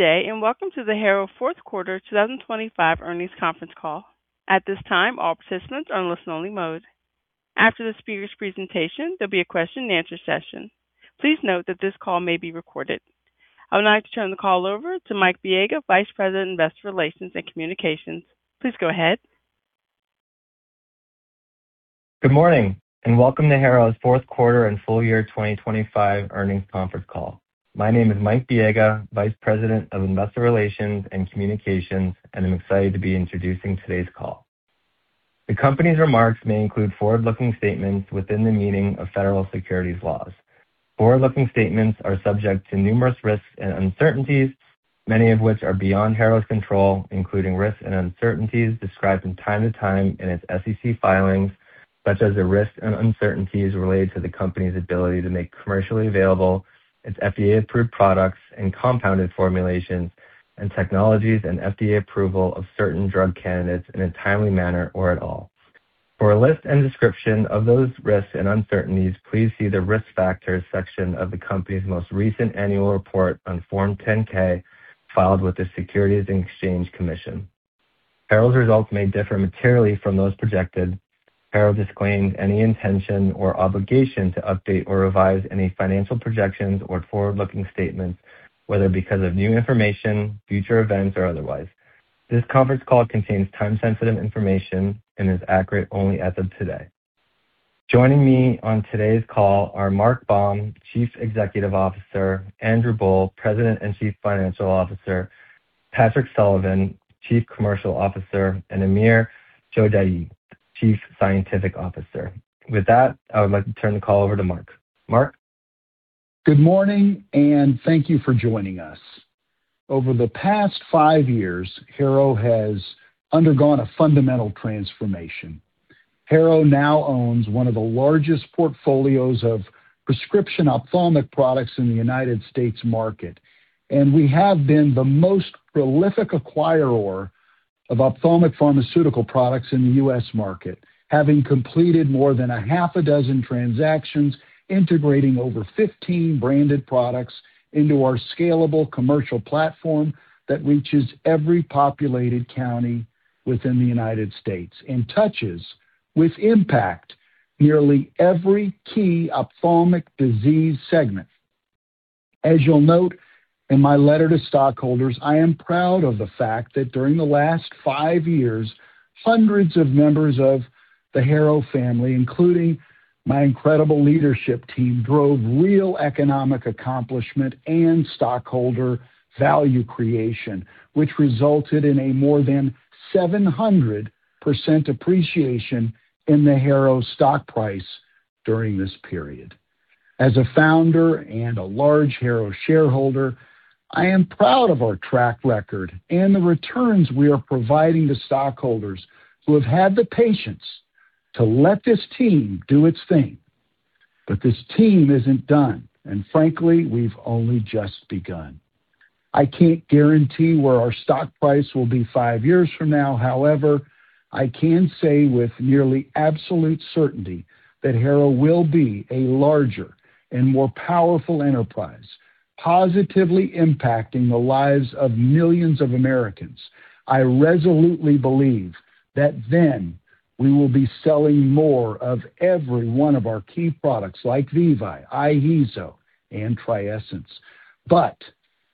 Welcome to the Harrow fourth quarter 2025 earnings conference call. At this time, all participants are in listen-only mode. After the speaker's presentation, there'll be a question-and-answer session. Please note that this call may be recorded. I would like to turn the call over to Mike Biega, Vice President, Investor Relations and Communications. Please go ahead. Good morning. Welcome to Harrow's fourth quarter and full year 2025 earnings conference call. My name is Mike Biega, Vice President of Investor Relations and Communications, and I'm excited to be introducing today's call. The company's remarks may include forward-looking statements within the meaning of federal securities laws. Forward-looking statements are subject to numerous risks and uncertainties, many of which are beyond Harrow's control, including risks and uncertainties described from time to time in its SEC filings, such as the risks and uncertainties related to the company's ability to make commercially available its FDA-approved products and compounded formulations and technologies and FDA approval of certain drug candidates in a timely manner or at all. For a list and description of those risks and uncertainties, please see the Risk Factors section of the company's most recent annual report on Form 10-K filed with the Securities and Exchange Commission. Harrow's results may differ materially from those projected. Harrow disclaims any intention or obligation to update or revise any financial projections or forward-looking statements, whether because of new information, future events, or otherwise. This conference call contains time-sensitive information and is accurate only as of today. Joining me on today's call are Mark Baum, Chief Executive Officer, Andrew Boll, President and Chief Financial Officer, Patrick Sullivan, Chief Commercial Officer, and Amir Shojaei, Chief Scientific Officer. With that, I would like to turn the call over to Mark. Mark. Good morning. Thank you for joining us. Over the past five years, Harrow has undergone a fundamental transformation. Harrow now owns one of the largest portfolios of prescription ophthalmic products in the United States market. We have been the most prolific acquirer of ophthalmic pharmaceutical products in the U.S. market, having completed more than a half a dozen transactions, integrating over 15 branded products into our scalable commercial platform that reaches every populated county within the United States and touches with impact nearly every key ophthalmic disease segment. As you'll note in my letter to stockholders, I am proud of the fact that during the last five years, hundreds of members of the Harrow family, including my incredible leadership team, drove real economic accomplishment and stockholder value creation, which resulted in a more than 700% appreciation in the Harrow stock price during this period. As a founder and a large Harrow shareholder, I am proud of our track record and the returns we are providing to stockholders who have had the patience to let this team do its thing. This team isn't done, and frankly, we've only just begun. I can't guarantee where our stock price will be five years from now. However, I can say with nearly absolute certainty that Harrow will be a larger and more powerful enterprise, positively impacting the lives of millions of Americans. I resolutely believe that then we will be selling more of every one of our key products like VEVYE, IHEEZO, and TRIESENCE.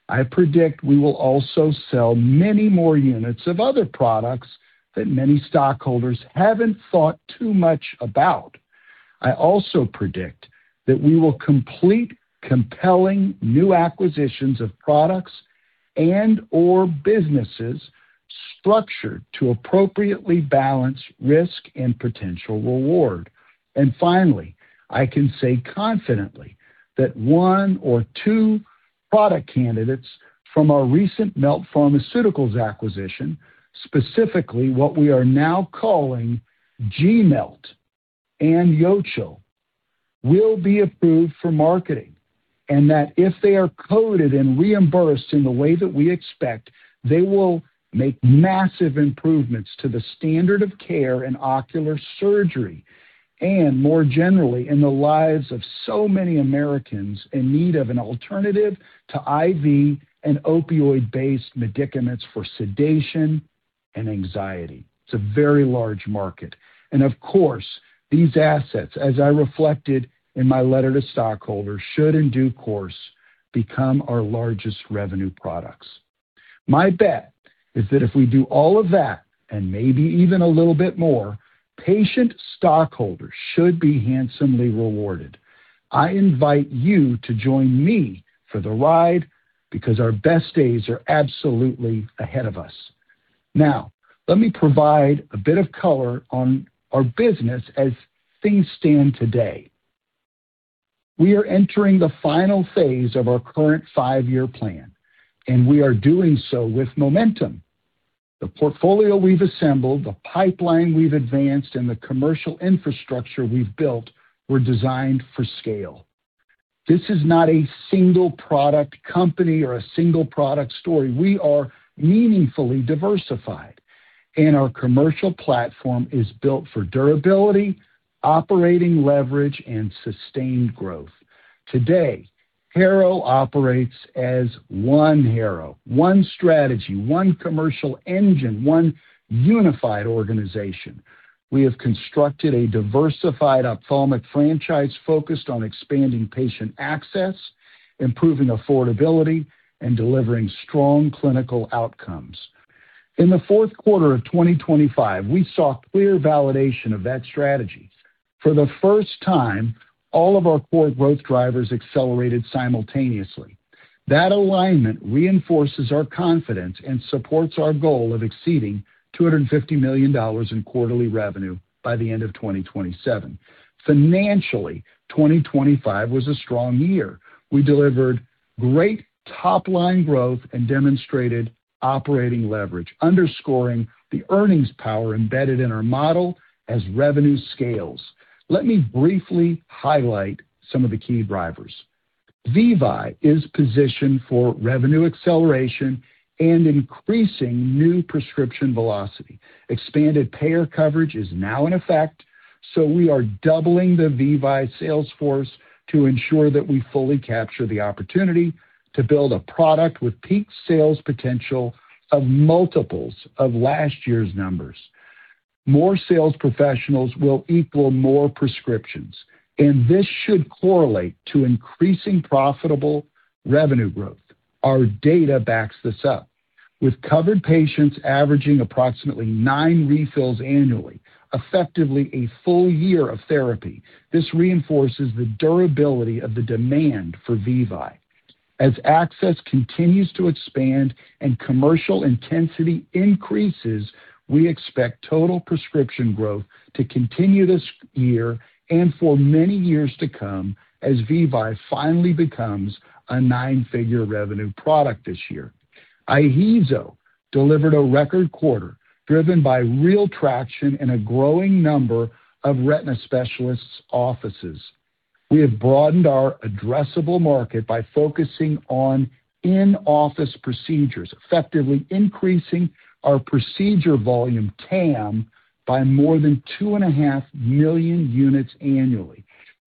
I predict we will also sell many more units of other products that many stockholders haven't thought too much about. I also predict that we will complete compelling new acquisitions of products and or businesses structured to appropriately balance risk and potential reward. Finally, I can say confidently that one or two product candidates from our recent Melt Pharmaceuticals acquisition, specifically what we are now calling G-MELT and YOCHIL, will be approved for marketing. That if they are coded and reimbursed in the way that we expect, they will make massive improvements to the standard of care in ocular surgery and more generally in the lives of so many Americans in need of an alternative to IV and opioid-based medicaments for sedation and anxiety. It's a very large market. Of course, these assets, as I reflected in my letter to stockholders, should in due course, become our largest revenue products. My bet is that if we do all of that and maybe even a little bit more, patient stockholders should be handsomely rewarded. I invite you to join me for the ride because our best days are absolutely ahead of us. Now, let me provide a bit of color on our business as things stand today. We are entering the final phase of our current 5-year plan, and we are doing so with momentum. The portfolio we've assembled, the pipeline we've advanced, and the commercial infrastructure we've built were designed for scale. This is not a single product company or a single product story. We are meaningfully diversified. Our commercial platform is built for durability, operating leverage, and sustained growth. Today, Harrow operates as one Harrow, one strategy, one commercial engine, one unified organization. We have constructed a diversified ophthalmic franchise focused on expanding patient access, improving affordability, and delivering strong clinical outcomes. In the fourth quarter of 2025, we saw clear validation of that strategy. For the first time, all of our core growth drivers accelerated simultaneously. That alignment reinforces our confidence and supports our goal of exceeding $250 million in quarterly revenue by the end of 2027. Financially, 2025 was a strong year. We delivered great top-line growth and demonstrated operating leverage, underscoring the earnings power embedded in our model as revenue scales. Let me briefly highlight some of the key drivers. VEVYE is positioned for revenue acceleration and increasing new prescription velocity. Expanded payer coverage is now in effect. We are doubling the VEVYE sales force to ensure that we fully capture the opportunity to build a product with peak sales potential of multiples of last year's numbers. More sales professionals will equal more prescriptions. This should correlate to increasing profitable revenue growth. Our data backs this up. With covered patients averaging approximately 9 refills annually, effectively a full year of therapy, this reinforces the durability of the demand for VEVYE. As access continues to expand and commercial intensity increases, we expect total prescription growth to continue this year and for many years to come as VEVYE finally becomes a 9-figure revenue product this year. IHEEZO delivered a record quarter driven by real traction in a growing number of retina specialists' offices. We have broadened our addressable market by focusing on in-office procedures, effectively increasing our procedure volume TAM by more than 2.5 million units annually.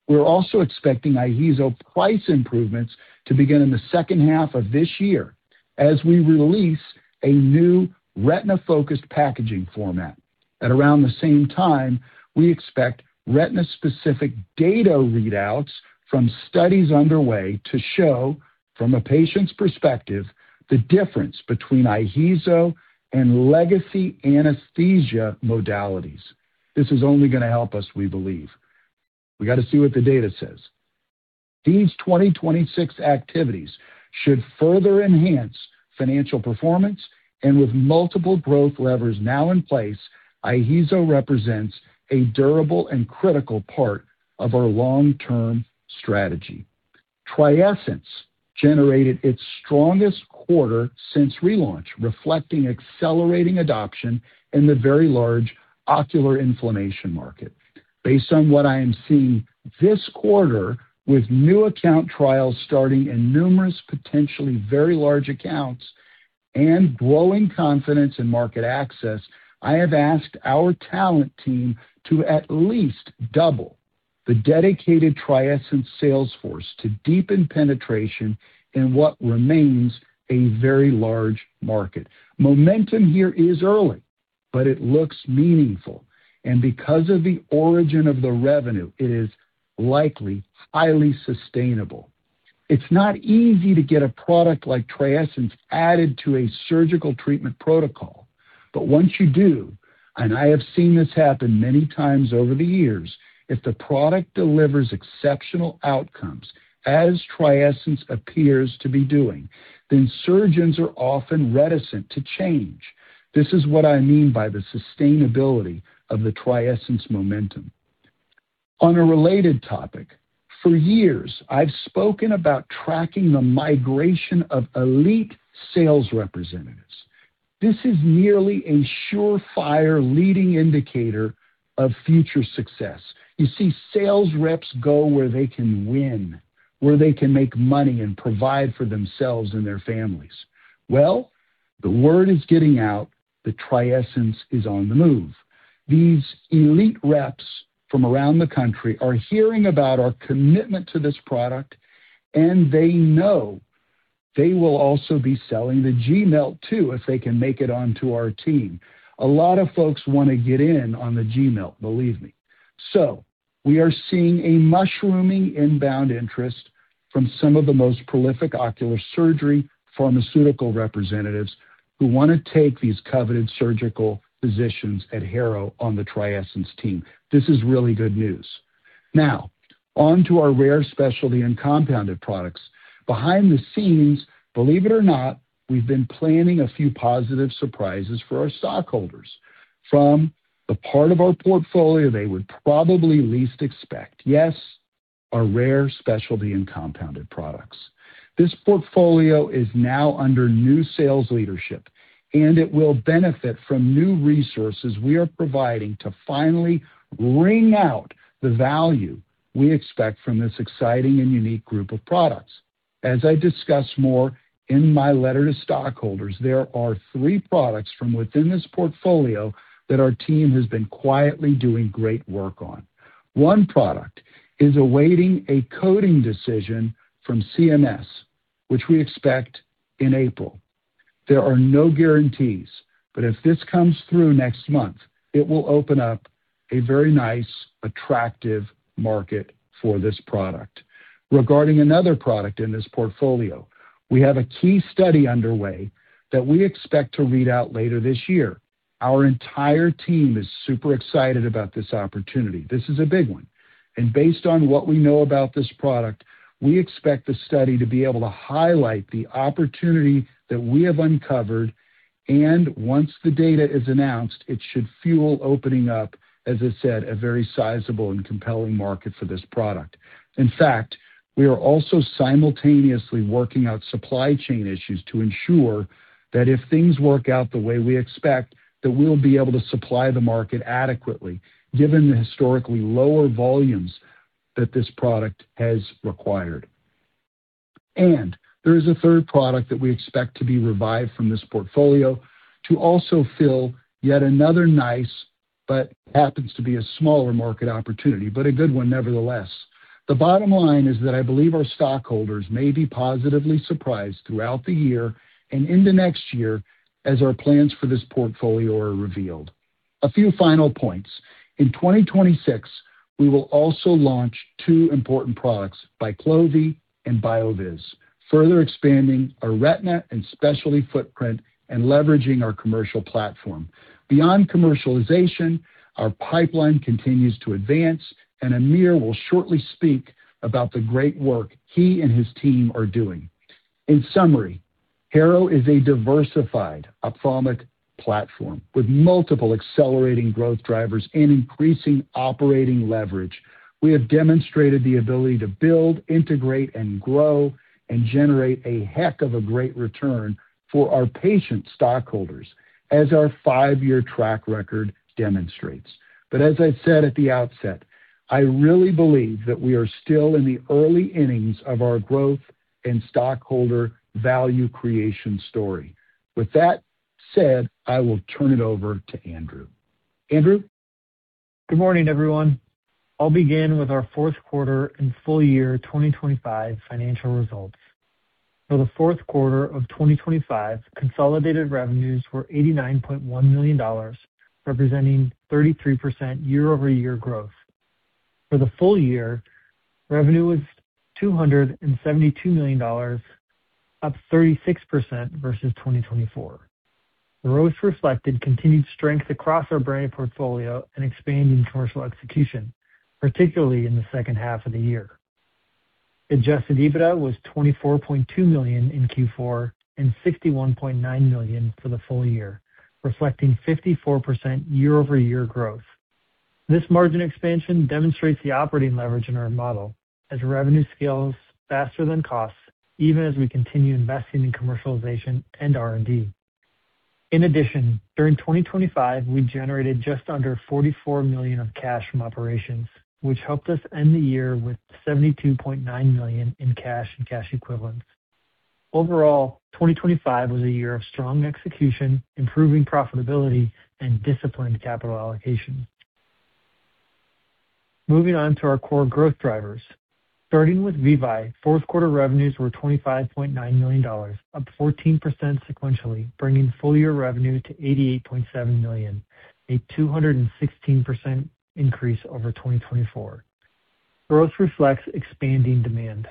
We're also expecting IHEEZO price improvements to begin in the H2 of this year as we release a new retina-focused packaging format. At around the same time, we expect retina-specific data readouts from studies underway to show from a patient's perspective the difference between IHEEZO and legacy anesthesia modalities. This is only going to help us, we believe. We got to see what the data says. These 2026 activities should further enhance financial performance. With multiple growth levers now in place, IHEEZO represents a durable and critical part of our long-term strategy. TRIESENCE generated its strongest quarter since relaunch, reflecting accelerating adoption in the very large ocular inflammation market. Based on what I am seeing this quarter, with new account trials starting in numerous potentially very large accounts and growing confidence in market access, I have asked our talent team to at least double the dedicated TRIESENCE sales force to deepen penetration in what remains a very large market. Momentum here is early, but it looks meaningful. Because of the origin of the revenue, it is likely highly sustainable. It's not easy to get a product like TRIESENCE added to a surgical treatment protocol. Once you do, and I have seen this happen many times over the years, if the product delivers exceptional outcomes, as TRIESENCE appears to be doing, then surgeons are often reticent to change. This is what I mean by the sustainability of the TRIESENCE momentum. On a related topic, for years, I've spoken about tracking the migration of elite sales representatives. This is nearly a surefire leading indicator of future success. You see, sales reps go where they can win, where they can make money, and provide for themselves and their families. Well, the word is getting out that TRIESENCE is on the move. These elite reps from around the country are hearing about our commitment to this product, and they know they will also be selling the G-MELT too if they can make it onto our team. A lot of folks want to get in on the G-MELT, believe me. So we are seeing a mushrooming inbound interest from some of the most prolific ocular surgery pharmaceutical representatives who want to take these coveted surgical positions at Harrow on the TRIESENCE team. This is really good news. Now on to our rare specialty and compounded products. Behind the scenes, believe it or not, we've been planning a few positive surprises for our stockholders. From the part of our portfolio they would probably least expect. Yes, our rare specialty and compounded products. This portfolio is now under new sales leadership, and it will benefit from new resources we are providing to finally wring out the value we expect from this exciting and unique group of products. As I discussed more in my letter to stockholders, there are three products from within this portfolio that our team has been quietly doing great work on. One product is awaiting a coding decision from CMS, which we expect in April. There are no guarantees, but if this comes through next month, it will open up a very nice, attractive market for this product. Regarding another product in this portfolio, we have a key study underway that we expect to read out later this year. Our entire team is super excited about this opportunity. This is a big one. Based on what we know about this product, we expect the study to be able to highlight the opportunity that we have uncovered, and once the data is announced, it should fuel opening up, as I said, a very sizable and compelling market for this product. In fact, we are also simultaneously working out supply chain issues to ensure that if things work out the way we expect, that we'll be able to supply the market adequately given the historically lower volumes that this product has required. There is a third product that we expect to be revived from this portfolio to also fill yet another nice but happens to be a smaller market opportunity, but a good one nevertheless. The bottom line is that I believe our stockholders may be positively surprised throughout the year and into next year as our plans for this portfolio are revealed. A few final points. In 2026, we will also launch two important products BYQLOVI and BYOOVIZ, further expanding our retina and specialty footprint and leveraging our commercial platform. Beyond commercialization, our pipeline continues to advance, and Amir will shortly speak about the great work he and his team are doing. In summary, Harrow is a diversified ophthalmic platform with multiple accelerating growth drivers and increasing operating leverage. We have demonstrated the ability to build, integrate, and grow, and generate a heck of a great return for our patient stockholders as our five-year track record demonstrates. As I said at the outset, I really believe that we are still in the early innings of our growth and stockholder value creation story. With that said, I will turn it over to Andrew. Andrew? Good morning, everyone. I'll begin with our fourth quarter and full year 2025 financial results. For the fourth quarter of 2025, consolidated revenues were $89.1 million, representing 33% year-over-year growth. For the full year, revenue was $272 million, up 36% versus 2024. The growth reflected continued strength across our branded portfolio and expanding commercial execution, particularly in the H2 of the year. Adjusted EBITDA was $24.2 million in Q4 and $61.9 million for the full year, reflecting 54% year-over-year growth. This margin expansion demonstrates the operating leverage in our model as revenue scales faster than costs, even as we continue investing in commercialization and R&D. In addition, during 2025, we generated just under $44 million of cash from operations, which helped us end the year with $72.9 million in cash and cash equivalents. Overall, 2025 was a year of strong execution, improving profitability and disciplined capital allocation. Moving on to our core growth drivers. Starting with VEVYE, fourth quarter revenues were $25.9 million, up 14% sequentially, bringing full-year revenue to $88.7 million, a 216% increase over 2024. Growth reflects expanding demand.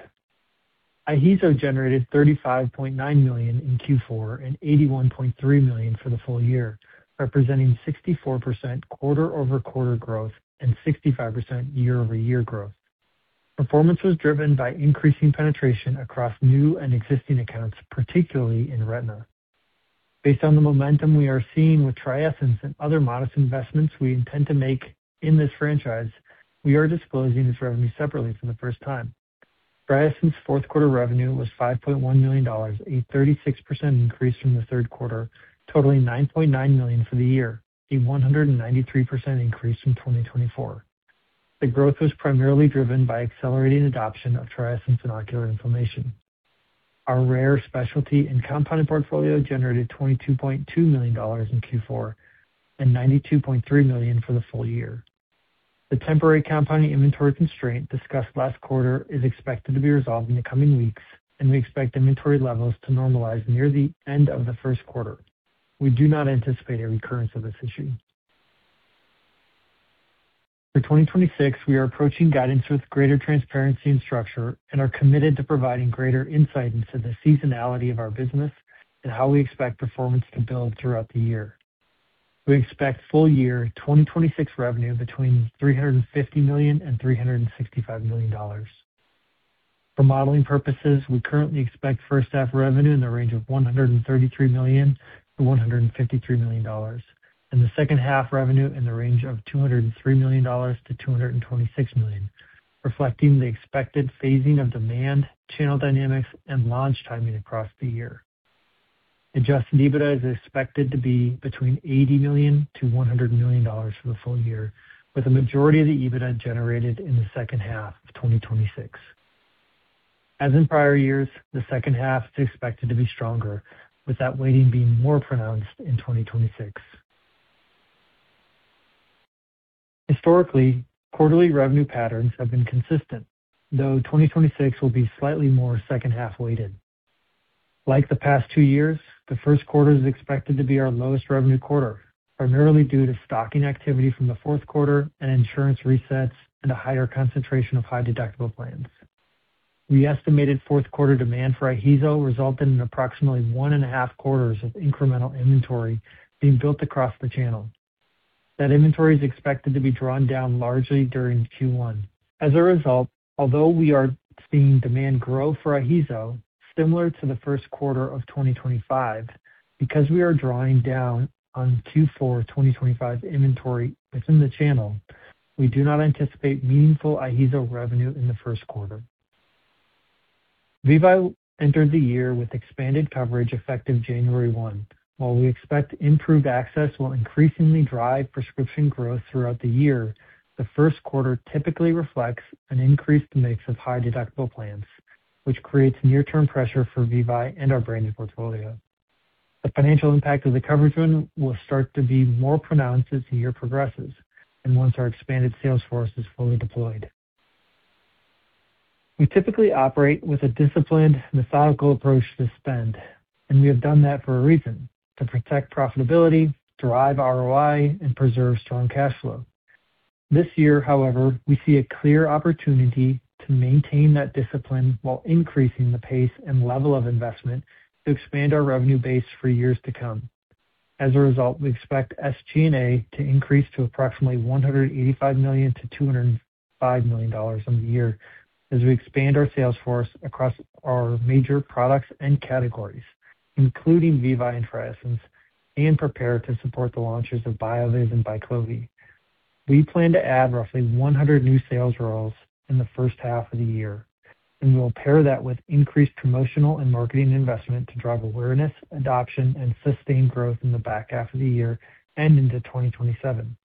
IHEEZO generated $35.9 million in Q4 and $81.3 million for the full year, representing 64% quarter-over-quarter growth and 65% year-over-year growth. Performance was driven by increasing penetration across new and existing accounts, particularly in Retina. Based on the momentum we are seeing with TRIESENCE and other modest investments we intend to make in this franchise, we are disclosing this revenue separately for the first time. TRIESENCE fourth quarter revenue was $5.1 million, a 36% increase from the third quarter, totaling $9.9 million for the year, a 193% increase from 2024. The growth was primarily driven by accelerating adoption of TRIESENCE and ocular inflammation. Our rare specialty and compounded portfolio generated $22.2 million in Q4 and $92.3 million for the full year. The temporary compounding inventory constraint discussed last quarter is expected to be resolved in the coming weeks, and we expect inventory levels to normalize near the end of the first quarter. We do not anticipate a recurrence of this issue. For 2026, we are approaching guidance with greater transparency and structure and are committed to providing greater insight into the seasonality of our business and how we expect performance to build throughout the year. We expect full year 2026 revenue between $350 million and $365 million. For modeling purposes, we currently expect first half revenue in the range of $133 million-$153 million, and the H2 revenue in the range of $203 million-$226 million, reflecting the expected phasing of demand, channel dynamics, and launch timing across the year. Adjusted EBITDA is expected to be between $80 million to $100 million for the full year, with the majority of the EBITDA generated in the H2 of 2026. As in prior years, the H2 is expected to be stronger, with that weighting being more pronounced in 2026. Historically, quarterly revenue patterns have been consistent, though 2026 will be slightly more second-half weighted. Like the past two years, the first quarter is expected to be our lowest revenue quarter, primarily due to stocking activity from the fourth quarter and insurance resets and a higher concentration of high-deductible plans. We estimated fourth quarter demand for IHEEZO resulted in approximately one and a half quarters of incremental inventory being built across the channel. That inventory is expected to be drawn down largely during Q1. As a result, although we are seeing demand grow for IHEEZO similar to the first quarter of 2025, because we are drawing down on Q4 2025 inventory within the channel, we do not anticipate meaningful IHEEZO revenue in the first quarter. VEVYE entered the year with expanded coverage effective January one. While we expect improved access will increasingly drive prescription growth throughout the year, the first quarter typically reflects an increased mix of high-deductible plans, which creates near-term pressure for VEVYE and our branded portfolio. The financial impact of the coverage win will start to be more pronounced as the year progresses and once our expanded sales force is fully deployed. We typically operate with a disciplined, methodical approach to spend, and we have done that for a reason: to protect profitability, derive ROI, and preserve strong cash flow. This year, however, we see a clear opportunity to maintain that discipline while increasing the pace and level of investment to expand our revenue base for years to come. As a result, we expect SG&A to increase to approximately $185 million-$205 million from the year as we expand our sales force across our major products and categories, including VEVYE and TRIESENCE, and prepare to support the launches of BYOOVIZ and BYQLOVI. We plan to add roughly 100 new sales roles in the first half of the year, and we'll pair that with increased promotional and marketing investment to drive awareness, adoption, and sustained growth in the back half of the year and into 2027.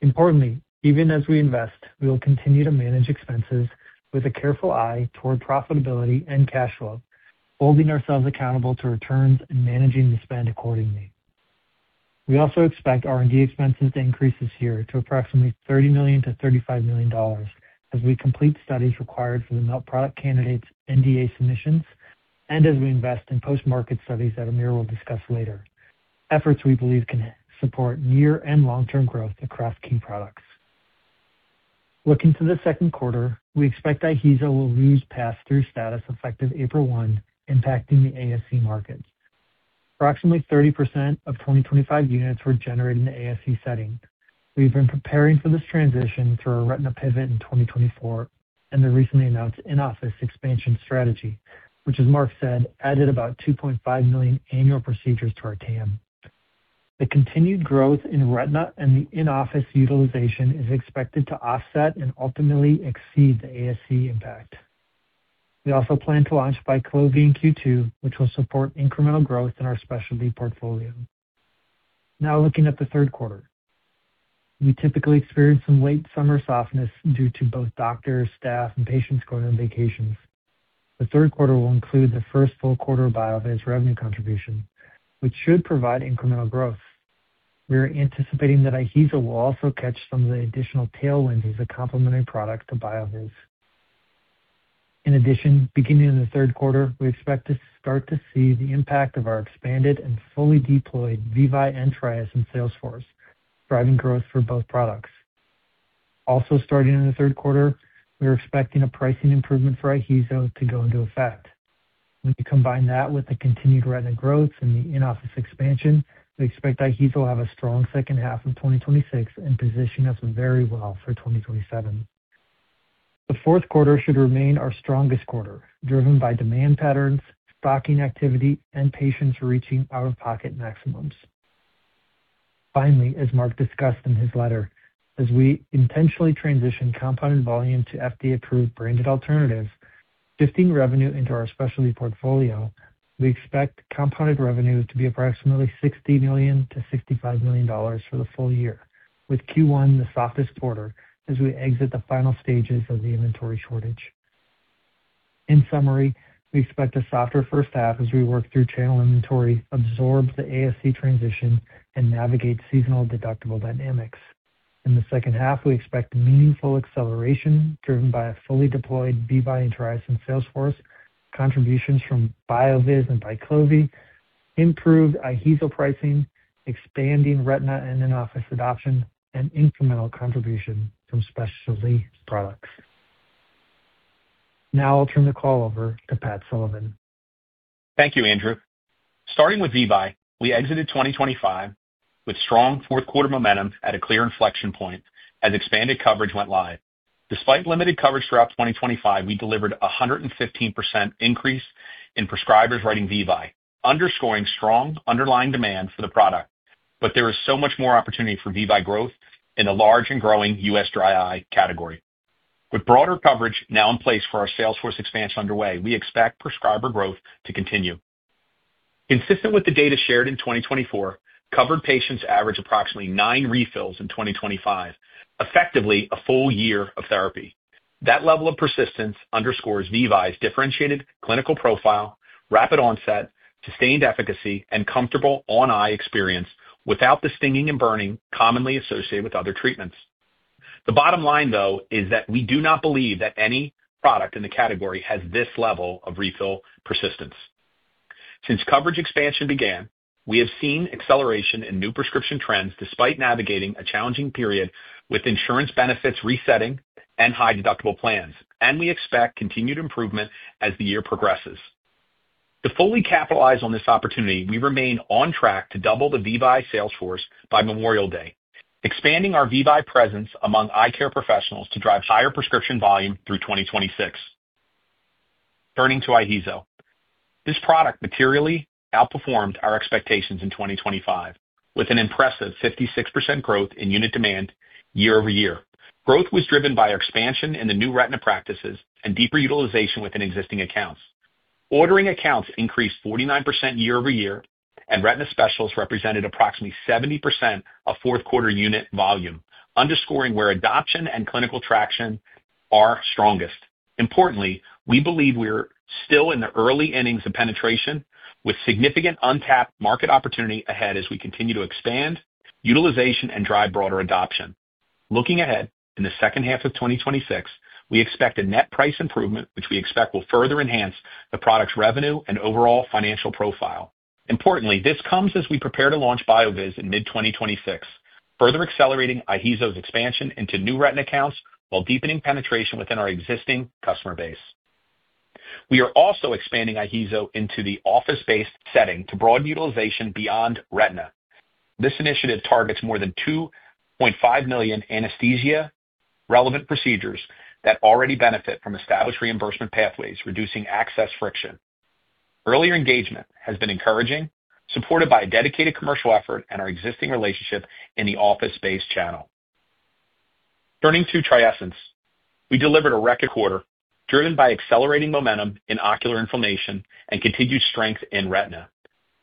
Importantly, even as we invest, we will continue to manage expenses with a careful eye toward profitability and cash flow, holding ourselves accountable to returns and managing the spend accordingly. We also expect R&D expenses to increase this year to approximately $30 million-$35 million as we complete studies required for the product candidates NDA submissions and as we invest in post-market studies that Amir will discuss later. Efforts we believe can support near and long-term growth across key products. Looking to the second quarter, we expect IHEEZO will lose pass-through status effective April 1, impacting the ASC market. Approximately 30% of 2025 units were generated in the ASC setting. We've been preparing for this transition through our retina pivot in 2024 and the recently announced in-office expansion strategy, which, as Mark said, added about 2.5 million annual procedures to our TAM. The continued growth in retina and the in-office utilization is expected to offset and ultimately exceed the ASC impact. We also plan to launch BYQLOVI in Q2, which will support incremental growth in our specialty portfolio. Looking at the third quarter. We typically experience some late summer softness due to both doctors, staff, and patients going on vacations. The third quarter will include the first full quarter of BYOOVIZ revenue contribution, which should provide incremental growth. We are anticipating that IHEEZO will also catch some of the additional tailwind as a complementary product to BYOOVIZ. Beginning in the third quarter, we expect to start to see the impact of our expanded and fully deployed VEVYE and TRIESENCE sales force driving growth for both products. Starting in the third quarter, we are expecting a pricing improvement for IHEEZO to go into effect. When you combine that with the continued retina growth and the in-office expansion, we expect IHEEZO to have a strong H2 of 2026 and position us very well for 2027. The fourth quarter should remain our strongest quarter, driven by demand patterns, stocking activity, and patients reaching out-of-pocket maximums. Finally, as Mark discussed in his letter, as we intentionally transition compounded volume to FDA-approved branded alternatives, shifting revenue into our specialty portfolio, we expect compounded revenue to be approximately $60 million-$65 million for the full year, with Q1 the softest quarter as we exit the final stages of the inventory shortage. In summary, we expect a softer first half as we work through channel inventory, absorb the ASC transition, and navigate seasonal deductible dynamics. In the H2, we expect meaningful acceleration driven by a fully deployed VEVYE and TRIESENCE sales force, contributions from BYOOVIZ and BYQLOVI, improved IHEEZO pricing, expanding retina and in-office adoption, and incremental contribution from specialty products. I'll turn the call over to Pat Sullivan. Thank you, Andrew. Starting with VEVYE, we exited 2025 with strong fourth quarter momentum at a clear inflection point as expanded coverage went live. Despite limited coverage throughout 2025, we delivered a 115% increase in prescribers writing VEVYE, underscoring strong underlying demand for the product. There is so much more opportunity for VEVYE growth in the large and growing U.S. dry eye category. With broader coverage now in place for our sales force expansion underway, we expect prescriber growth to continue. Consistent with the data shared in 2024, covered patients average approximately nine refills in 2025, effectively a full year of therapy. That level of persistence underscores VEVYE's differentiated clinical profile, rapid onset, sustained efficacy, and comfortable on-eye experience without the stinging and burning commonly associated with other treatments. The bottom line, though, is that we do not believe that any product in the category has this level of refill persistence. Since coverage expansion began, we have seen acceleration in new prescription trends despite navigating a challenging period with insurance benefits resetting and high deductible plans. We expect continued improvement as the year progresses. To fully capitalize on this opportunity, we remain on track to double the VEVYE sales force by Memorial Day, expanding our VEVYE presence among eye care professionals to drive higher prescription volume through 2026. Turning to IHEEZO. This product materially outperformed our expectations in 2025, with an impressive 56% growth in unit demand year-over-year. Growth was driven by our expansion in the new retina practices and deeper utilization within existing accounts. Ordering accounts increased 49% year-over-year. Retina specialists represented approximately 70% of fourth quarter unit volume, underscoring where adoption and clinical traction are strongest. Importantly, we believe we are still in the early innings of penetration with significant untapped market opportunity ahead as we continue to expand utilization and drive broader adoption. Looking ahead, in the H2 of 2026, we expect a net price improvement, which we expect will further enhance the product's revenue and overall financial profile. Importantly, this comes as we prepare to launch BYOOVIZ in mid-2026, further accelerating IHEEZO's expansion into new retina accounts while deepening penetration within our existing customer base. We are also expanding IHEEZO into the office-based setting to broad utilization beyond retina. This initiative targets more than 2.5 million anesthesia relevant procedures that already benefit from established reimbursement pathways, reducing access friction. Early engagement has been encouraging, supported by a dedicated commercial effort and our existing relationship in the office-based channel. Turning to TRIESENCE, we delivered a record quarter driven by accelerating momentum in ocular inflammation and continued strength in retina.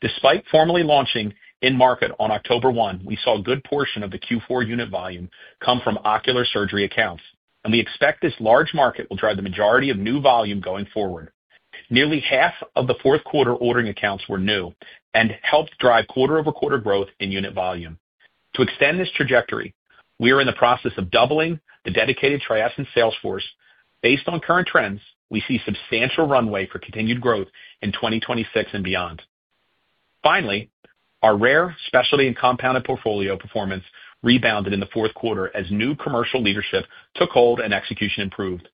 Despite formally launching in market on October 1, we saw a good portion of the Q4 unit volume come from ocular surgery accounts. We expect this large market will drive the majority of new volume going forward. Nearly half of the fourth quarter ordering accounts were new and helped drive quarter-over-quarter growth in unit volume. To extend this trajectory, we are in the process of doubling the dedicated TRIESENCE sales force. Based on current trends, we see substantial runway for continued growth in 2026 and beyond. Finally, our rare specialty and compounded portfolio performance rebounded in the fourth quarter as new commercial leadership took hold and execution improved.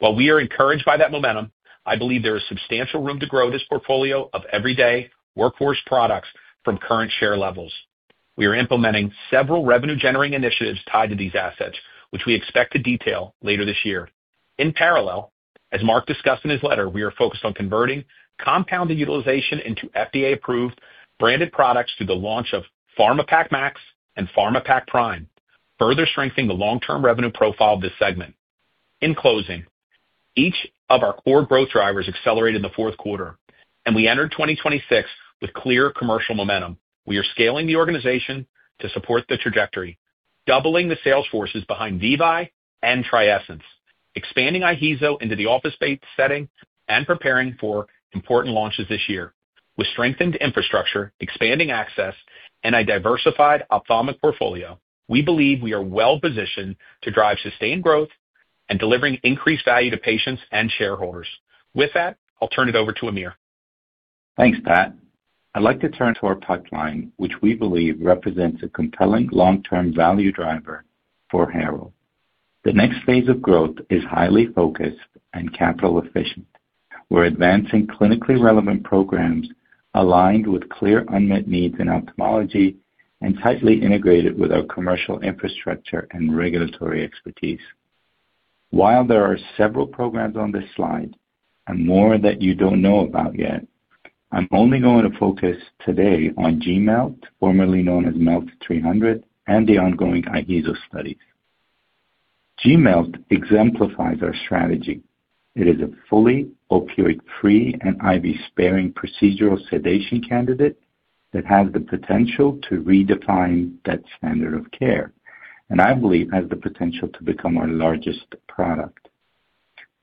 While we are encouraged by that momentum, I believe there is substantial room to grow this portfolio of everyday workforce products from current share levels. We are implementing several revenue generating initiatives tied to these assets, which we expect to detail later this year. In parallel, as Mark discussed in his letter, we are focused on converting compounded utilization into FDA-approved branded products through the launch of PharmaPack Max and PharmaPack Prime, further strengthening the long-term revenue profile of this segment. In closing, each of our core growth drivers accelerated in the fourth quarter, and we entered 2026 with clear commercial momentum. We are scaling the organization to support the trajectory, doubling the sales forces behind VEVYE and TRIESENCE, expanding IHEEZO into the office-based setting, and preparing for important launches this year. With strengthened infrastructure, expanding access, and a diversified ophthalmic portfolio, we believe we are well positioned to drive sustained growth and delivering increased value to patients and shareholders. With that, I'll turn it over to Amir. Thanks, Pat. I'd like to turn to our pipeline, which we believe represents a compelling long-term value driver for Harrow. The next phase of growth is highly focused and capital efficient. We're advancing clinically relevant programs aligned with clear unmet needs in ophthalmology and tightly integrated with our commercial infrastructure and regulatory expertise. While there are several programs on this slide and more that you don't know about yet, I'm only going to focus today on G-MELT, formerly known as MELT-300, and the ongoing IHEEZO study. G-MELT exemplifies our strategy. It is a fully opioid-free and IV-sparing procedural sedation candidate that has the potential to redefine that standard of care, and I believe has the potential to become our largest product.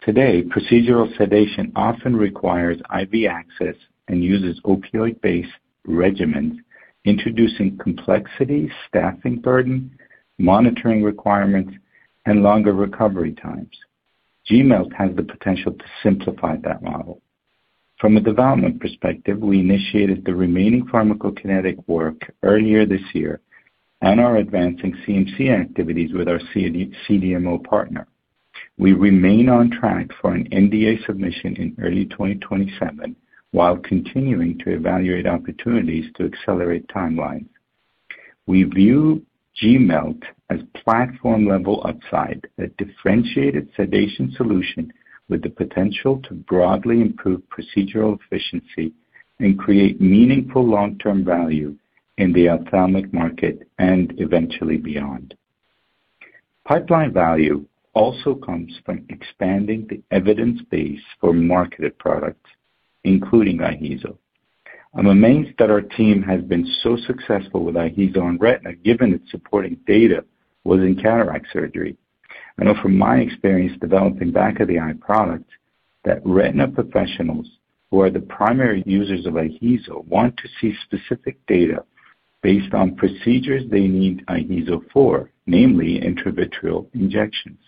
Today, procedural sedation often requires IV access and uses opioid-based regimens, introducing complexity, staffing burden, monitoring requirements, and longer recovery times. G-MELT has the potential to simplify that model. From a development perspective, we initiated the remaining pharmacokinetic work earlier this year and are advancing CMC activities with our CDMO partner. We remain on track for an NDA submission in early 2027 while continuing to evaluate opportunities to accelerate timelines. We view G-MELT as platform-level upside, a differentiated sedation solution with the potential to broadly improve procedural efficiency and create meaningful long-term value. In the ophthalmic market and eventually beyond. Pipeline value also comes from expanding the evidence base for marketed products, including IHEEZO. I'm amazed that our team has been so successful with IHEEZO on retina, given its supporting data was in cataract surgery. I know from my experience developing back of the eye products that retina professionals who are the primary users of IHEEZO want to see specific data based on procedures they need IHEEZO for, namely intravitreal injections.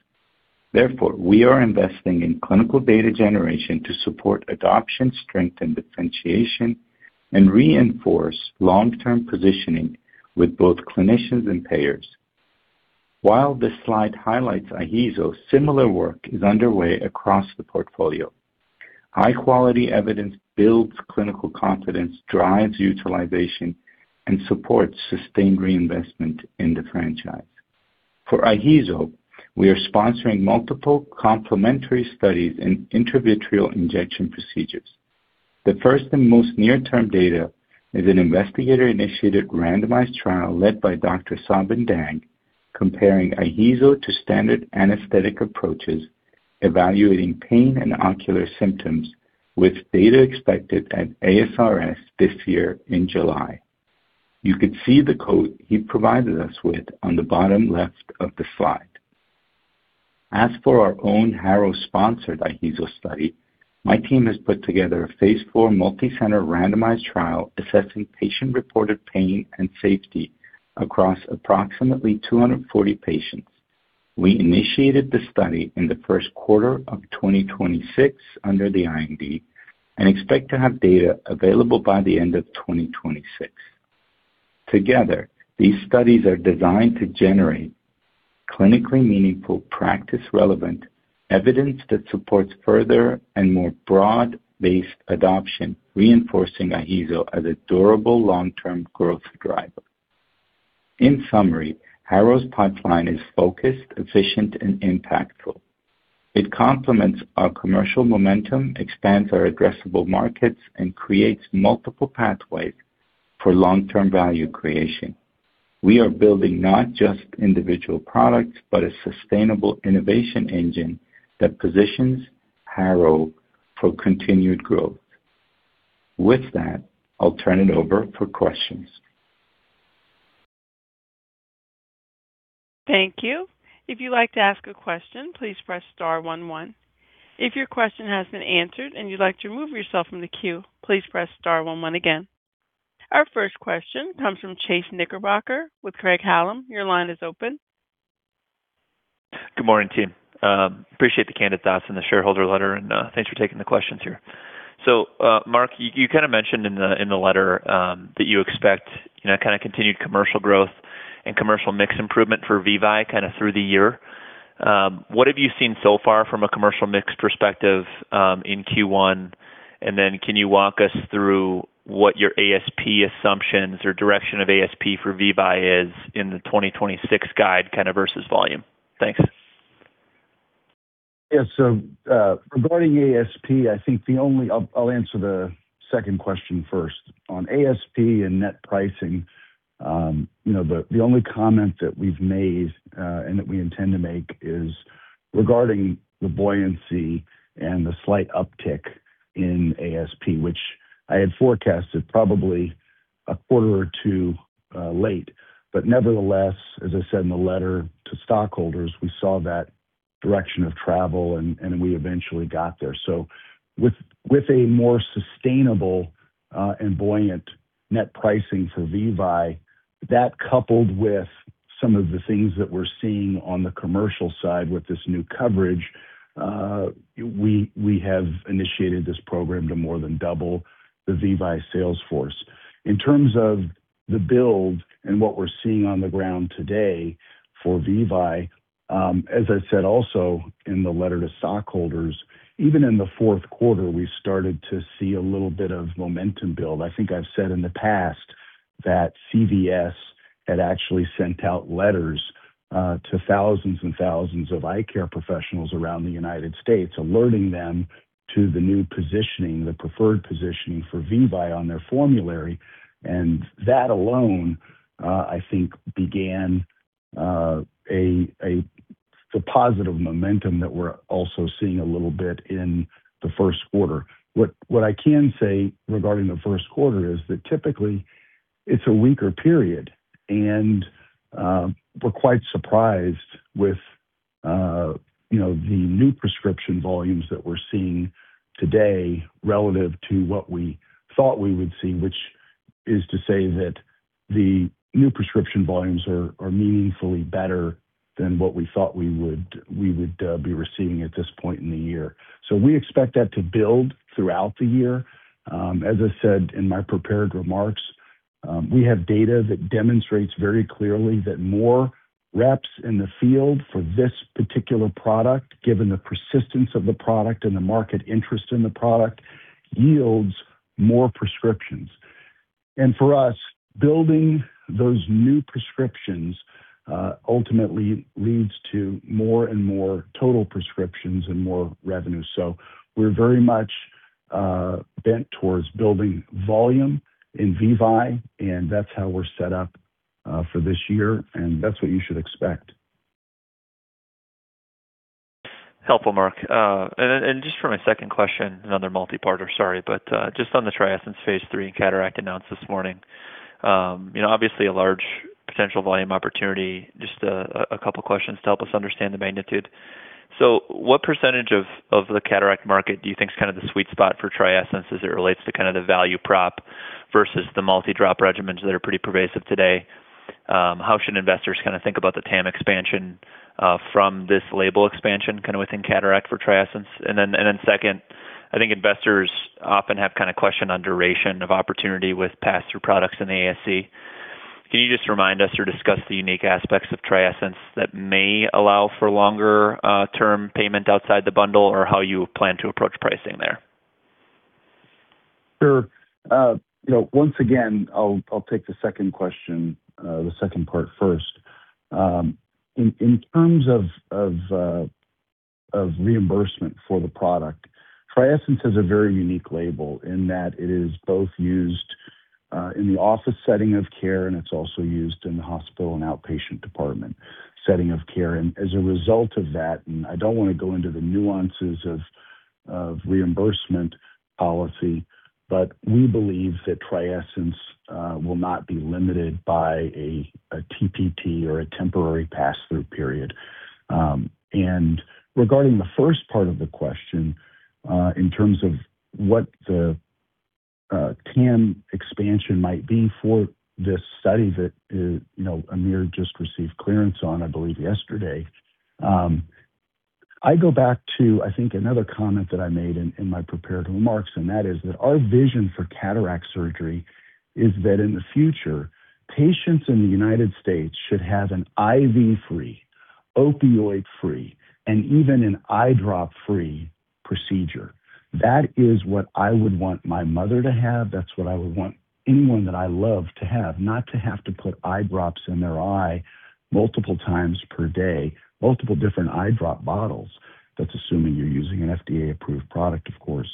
We are investing in clinical data generation to support adoption strength and differentiation and reinforce long-term positioning with both clinicians and payers. While this slide highlights IHEEZO, similar work is underway across the portfolio. High quality evidence builds clinical confidence, drives utilization, and supports sustained reinvestment in the franchise. For IHEEZO, we are sponsoring multiple complementary studies in intravitreal injection procedures. The first and most near-term data is an investigator-initiated randomized trial led by Dr. Sabin Dang comparing IHEEZO to standard anesthetic approaches, evaluating pain and ocular symptoms with data expected at ASRS this year in July. You can see the quote he provided us with on the bottom left of the slide. For our own Harrow-sponsored IHEEZO study, my team has put together a phase IV multicenter randomized trial assessing patient-reported pain and safety across approximately 240 patients. We initiated the study in the first quarter of 2026 under the IND and expect to have data available by the end of 2026. Together, these studies are designed to generate clinically meaningful practice-relevant evidence that supports further and more broad-based adoption, reinforcing IHEEZO as a durable long-term growth driver. In summary, Harrow's pipeline is focused, efficient, and impactful. It complements our commercial momentum, expands our addressable markets, and creates multiple pathways for long-term value creation. We are building not just individual products, but a sustainable innovation engine that positions Harrow for continued growth. With that, I'll turn it over for questions. Thank you. If you'd like to ask a question, please press star one one. If your question has been answered and you'd like to remove yourself from the queue, please press star one one again. Our first question comes from Chase Knickerbocker with Craig-Hallum. Your line is open. Good morning, team. Appreciate the candid thoughts in the shareholder letter and thanks for taking the questions here. Mark, you kind of mentioned in the letter that you expect, you know, kind of continued commercial growth and commercial mix improvement for VEVYE kind of through the year. What have you seen so far from a commercial mix perspective in Q1? Can you walk us through what your ASP assumptions or direction of ASP for VEVYE is in the 2026 guide kind of versus volume? Thanks. Yeah. Regarding ASP, I think I'll answer the second question first. On ASP and net pricing, you know, the only comment that we've made and that we intend to make is regarding the buoyancy and the slight uptick in ASP, which I had forecasted probably a quarter or two late. Nevertheless, as I said in the letter to stockholders, we saw that direction of travel and we eventually got there. With a more sustainable and buoyant net pricing for VEVYE, that coupled with some of the things that we're seeing on the commercial side with this new coverage, we have initiated this program to more than double the VEVYE sales force. In terms of the build and what we're seeing on the ground today for VEVYE, as I said also in the letter to stockholders, even in the fourth quarter, we started to see a little bit of momentum build. I think I've said in the past that CVS had actually sent out letters to thousands and thousands of eyecare professionals around the United States alerting them to the new positioning, the preferred positioning for VEVYE on their formulary. That alone, I think began the positive momentum that we're also seeing a little bit in the first quarter. What I can say regarding the first quarter is that typically it's a weaker period and we're quite surprised with, you know, the new prescription volumes that we're seeing today relative to what we thought we would see, which is to say that the new prescription volumes are meaningfully better than what we thought we would be receiving at this point in the year. We expect that to build throughout the year. As I said in my prepared remarks, we have data that demonstrates very clearly that more reps in the field for this particular product, given the persistence of the product and the market interest in the product, yields more prescriptions. For us, building those new prescriptions, ultimately leads to more and more total prescriptions and more revenue. We're bent towards building volume in VEVYE, and that's how we're set up for this year, and that's what you should expect. Helpful, Mark. Just for my second question, another multipart just on the TRIESENCE phase III cataract announced this morning. You know, obviously a large potential volume opportunity. Just a couple of questions to help us understand the magnitude. What percentage of the cataract market do you think is kind of the sweet spot for TRIESENCE as it relates to kind of the value prop versus the multi-drop regimens that are pretty pervasive today? How should investors kind of think about the TAM expansion from this label expansion kind of within cataract for TRIESENCE? Second, I think investors often have kind of question on duration of opportunity with pass-through products in the ASC. Can you just remind us or discuss the unique aspects of TRIESENCE that may allow for longer, term payment outside the bundle or how you plan to approach pricing there? Sure. you know, once again, I'll take the second question, the second part first. In terms of reimbursement for the product, TRIESENCE has a very unique label in that it is both used in the office setting of care, and it's also used in the hospital and outpatient department setting of care. As a result of that, and I don't wanna go into the nuances of reimbursement policy, but we believe that TRIESENCE will not be limited by a TPT or a temporary pass-through period. Regarding the first part of the question, in terms of what the TAM expansion might be for this study that, you know, Amir just received clearance on, I believe, yesterday. I go back to, I think, another comment that I made in my prepared remarks, and that is that our vision for cataract surgery is that in the future, patients in the United States should have an IV-free, opioid-free, and even an eye drop-free procedure. That is what I would want my mother to have. That's what I would want anyone that I love to have. Not to have to put eye drops in their eye multiple times per day, multiple different eye drop bottles. That's assuming you're using an FDA-approved product, of course.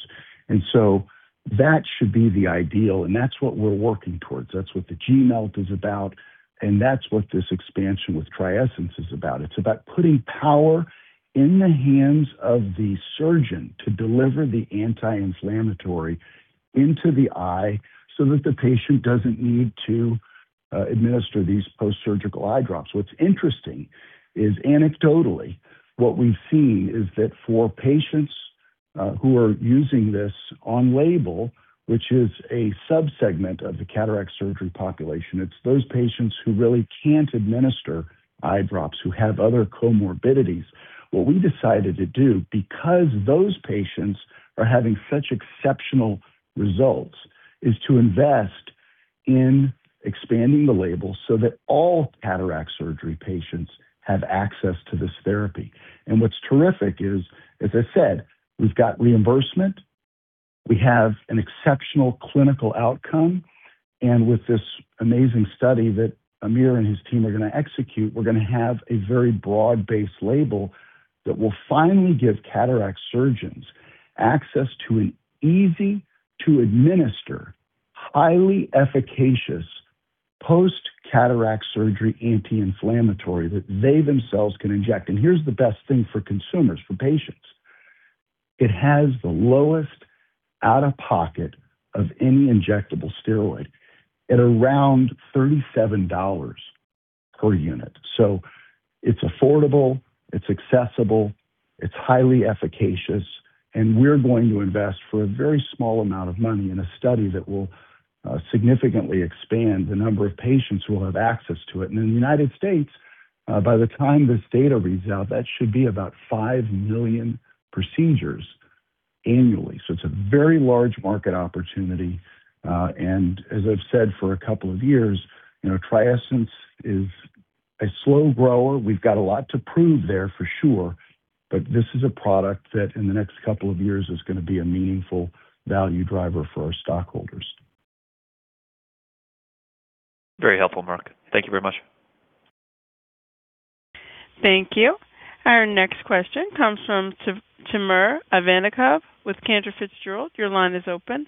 That should be the ideal, and that's what we're working towards. That's what the G-MELT is about, and that's what this expansion with TRIESENCE is about. It's about putting power in the hands of the surgeon to deliver the anti-inflammatory into the eye so that the patient doesn't need to administer these post-surgical eye drops. What's interesting is, anecdotally, what we see is that for patients who are using this on label, which is a subsegment of the cataract surgery population, it's those patients who really can't administer eye drops, who have other comorbidities. What we decided to do, because those patients are having such exceptional results, is to invest in expanding the label so that all cataract surgery patients have access to this therapy. What's terrific is, as I said, we've got reimbursement. We have an exceptional clinical outcome. With this amazing study that Amir and his team are going to execute, we're going to have a very broad-based label that will finally give cataract surgeons access to an easy-to-administer, highly efficacious post-cataract surgery anti-inflammatory that they themselves can inject. Here's the best thing for consumers, for patients: It has the lowest out-of-pocket of any injectable steroid at around $37 per unit. It's affordable, it's accessible, it's highly efficacious, and we're going to invest for a very small amount of money in a study that will significantly expand the number of patients who will have access to it. In the United States, by the time this data reads out, that should be about 5 million procedures annually. It's a very large market opportunity. As I've said for a couple of years, you know, TRIESENCE is a slow grower. We've got a lot to prove there for sure, but this is a product that in the next couple of years is gonna be a meaningful value driver for our stockholders. Very helpful, Mark. Thank you very much. Thank you. Our next question comes from Timur Ivannikov with Cantor Fitzgerald. Your line is open.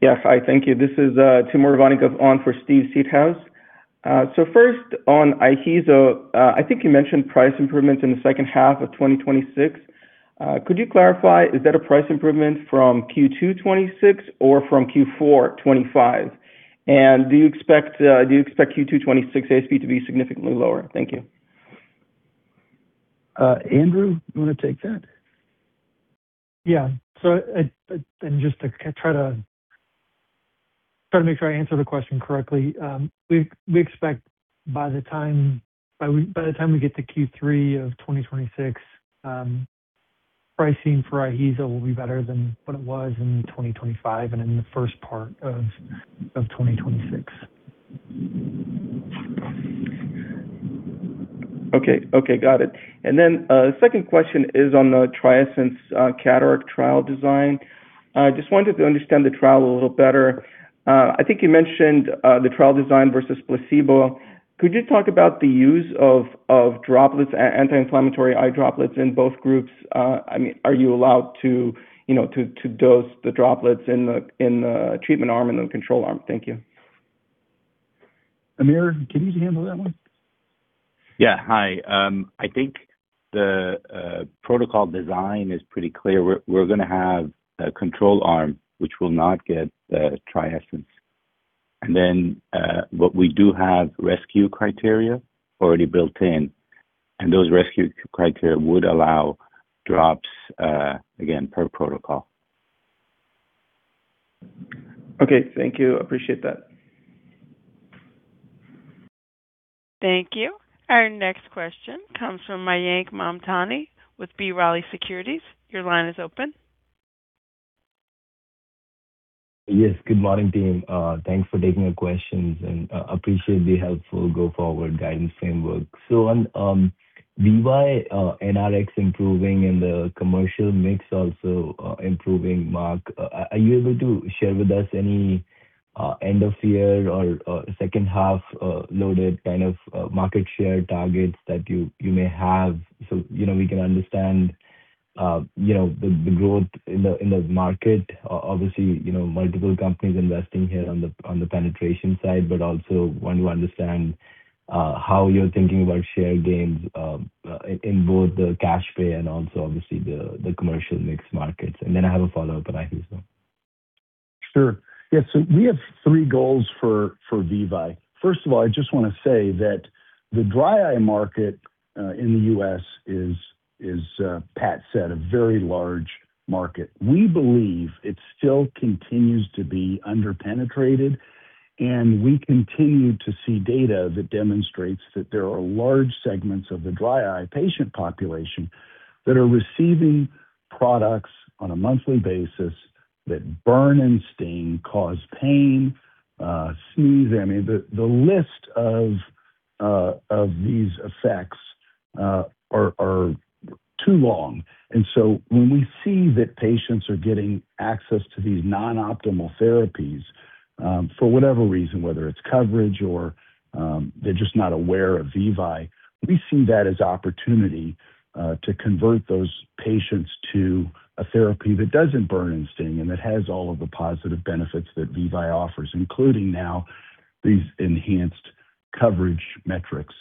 Yes. Hi, thank you. This is Timur Ivannikov on for Steven Seedhouse. First on IHEEZO, I think you mentioned price improvements in the H2 of 2026. Could you clarify, is that a price improvement from Q2 2026 or from Q4 2025? Do you expect Q2 2026 ASP to be significantly lower? Thank you. Andrew, you wanna take that? Yeah. I just to try to make sure I answer the question correctly. We expect by the time we get to Q3 of 2026, pricing for IHEEZO will be better than what it was in 2025 and in the first part of 2026. Okay. Okay, got it. Second question is on the TRIESENCE cataract trial design. I just wanted to understand the trial a little better. I think you mentioned the trial design versus placebo. Could you talk about the use of anti-inflammatory eye droplets in both groups? I mean, are you allowed to, you know, dose the droplets in the treatment arm and the control arm? Thank you. Amir, can you handle that one? Yeah. Hi. I think the protocol design is pretty clear. We're gonna have a control arm which will not get the TRIESENCE. What we do have rescue criteria already built in. Rescue criteria would allow drops again, per protocol. Okay. Thank you. Appreciate that. Thank you. Our next question comes from Mayank Mamtani with B. Riley Securities. Your line is open. Yes. Good morning, team. Thanks for taking the questions and appreciate the helpful go forward guidance framework. On VEVYE, NRX improving and the commercial mix also improving. Mark, are you able to share with us any end of year or H2 loaded kind of market share targets that you may have so, you know, we can understand, you know, the growth in the market? Obviously, you know, multiple companies investing here on the penetration side, but also want to understand how you're thinking about share gains in both the cash pay and also obviously the commercial mix markets. I have a follow-up on IHEEZO. Sure. Yeah. We have three goals for VEVYE. First of all, I just wanna say that the dry eye market in the U.S. is, Pat said, a very large market. We believe it still continues to be under-penetrated, and we continue to see data that demonstrates that there are large segments of the dry eye patient population that are receiving products on a monthly basis that burn and sting, cause pain, sneeze. I mean, the list of these effects are too long. When we see that patients are getting access to these non-optimal therapies, for whatever reason, whether it's coverage or, they're just not aware of VEVYE, we see that as opportunity, to convert those patients to a therapy that doesn't burn and sting and that has all of the positive benefits that VEVYE offers, including now these enhanced coverage metrics.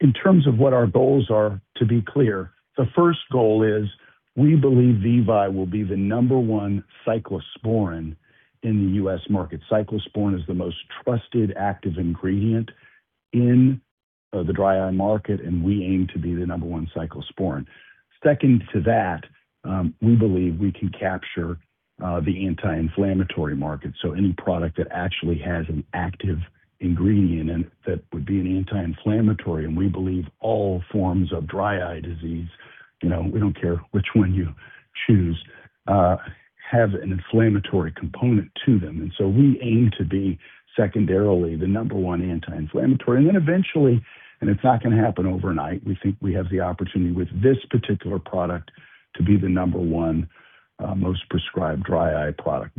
In terms of what our goals are, to be clear, the first goal is we believe VEVYE will be the number one cyclosporine in the U.S. market. Cyclosporine is the most trusted active ingredient in, the dry eye market, and we aim to be the number one cyclosporine. Second to that, we believe we can capture, the anti-inflammatory market, so any product that actually has an active ingredient in it that would be an anti-inflammatory. We believe all forms of dry eye disease, you know, we don't care which one you choose, have an inflammatory component to them. We aim to be secondarily the number one anti-inflammatory. Eventually, and it's not gonna happen overnight, we think we have the opportunity with this particular product to be the number one most prescribed dry eye product.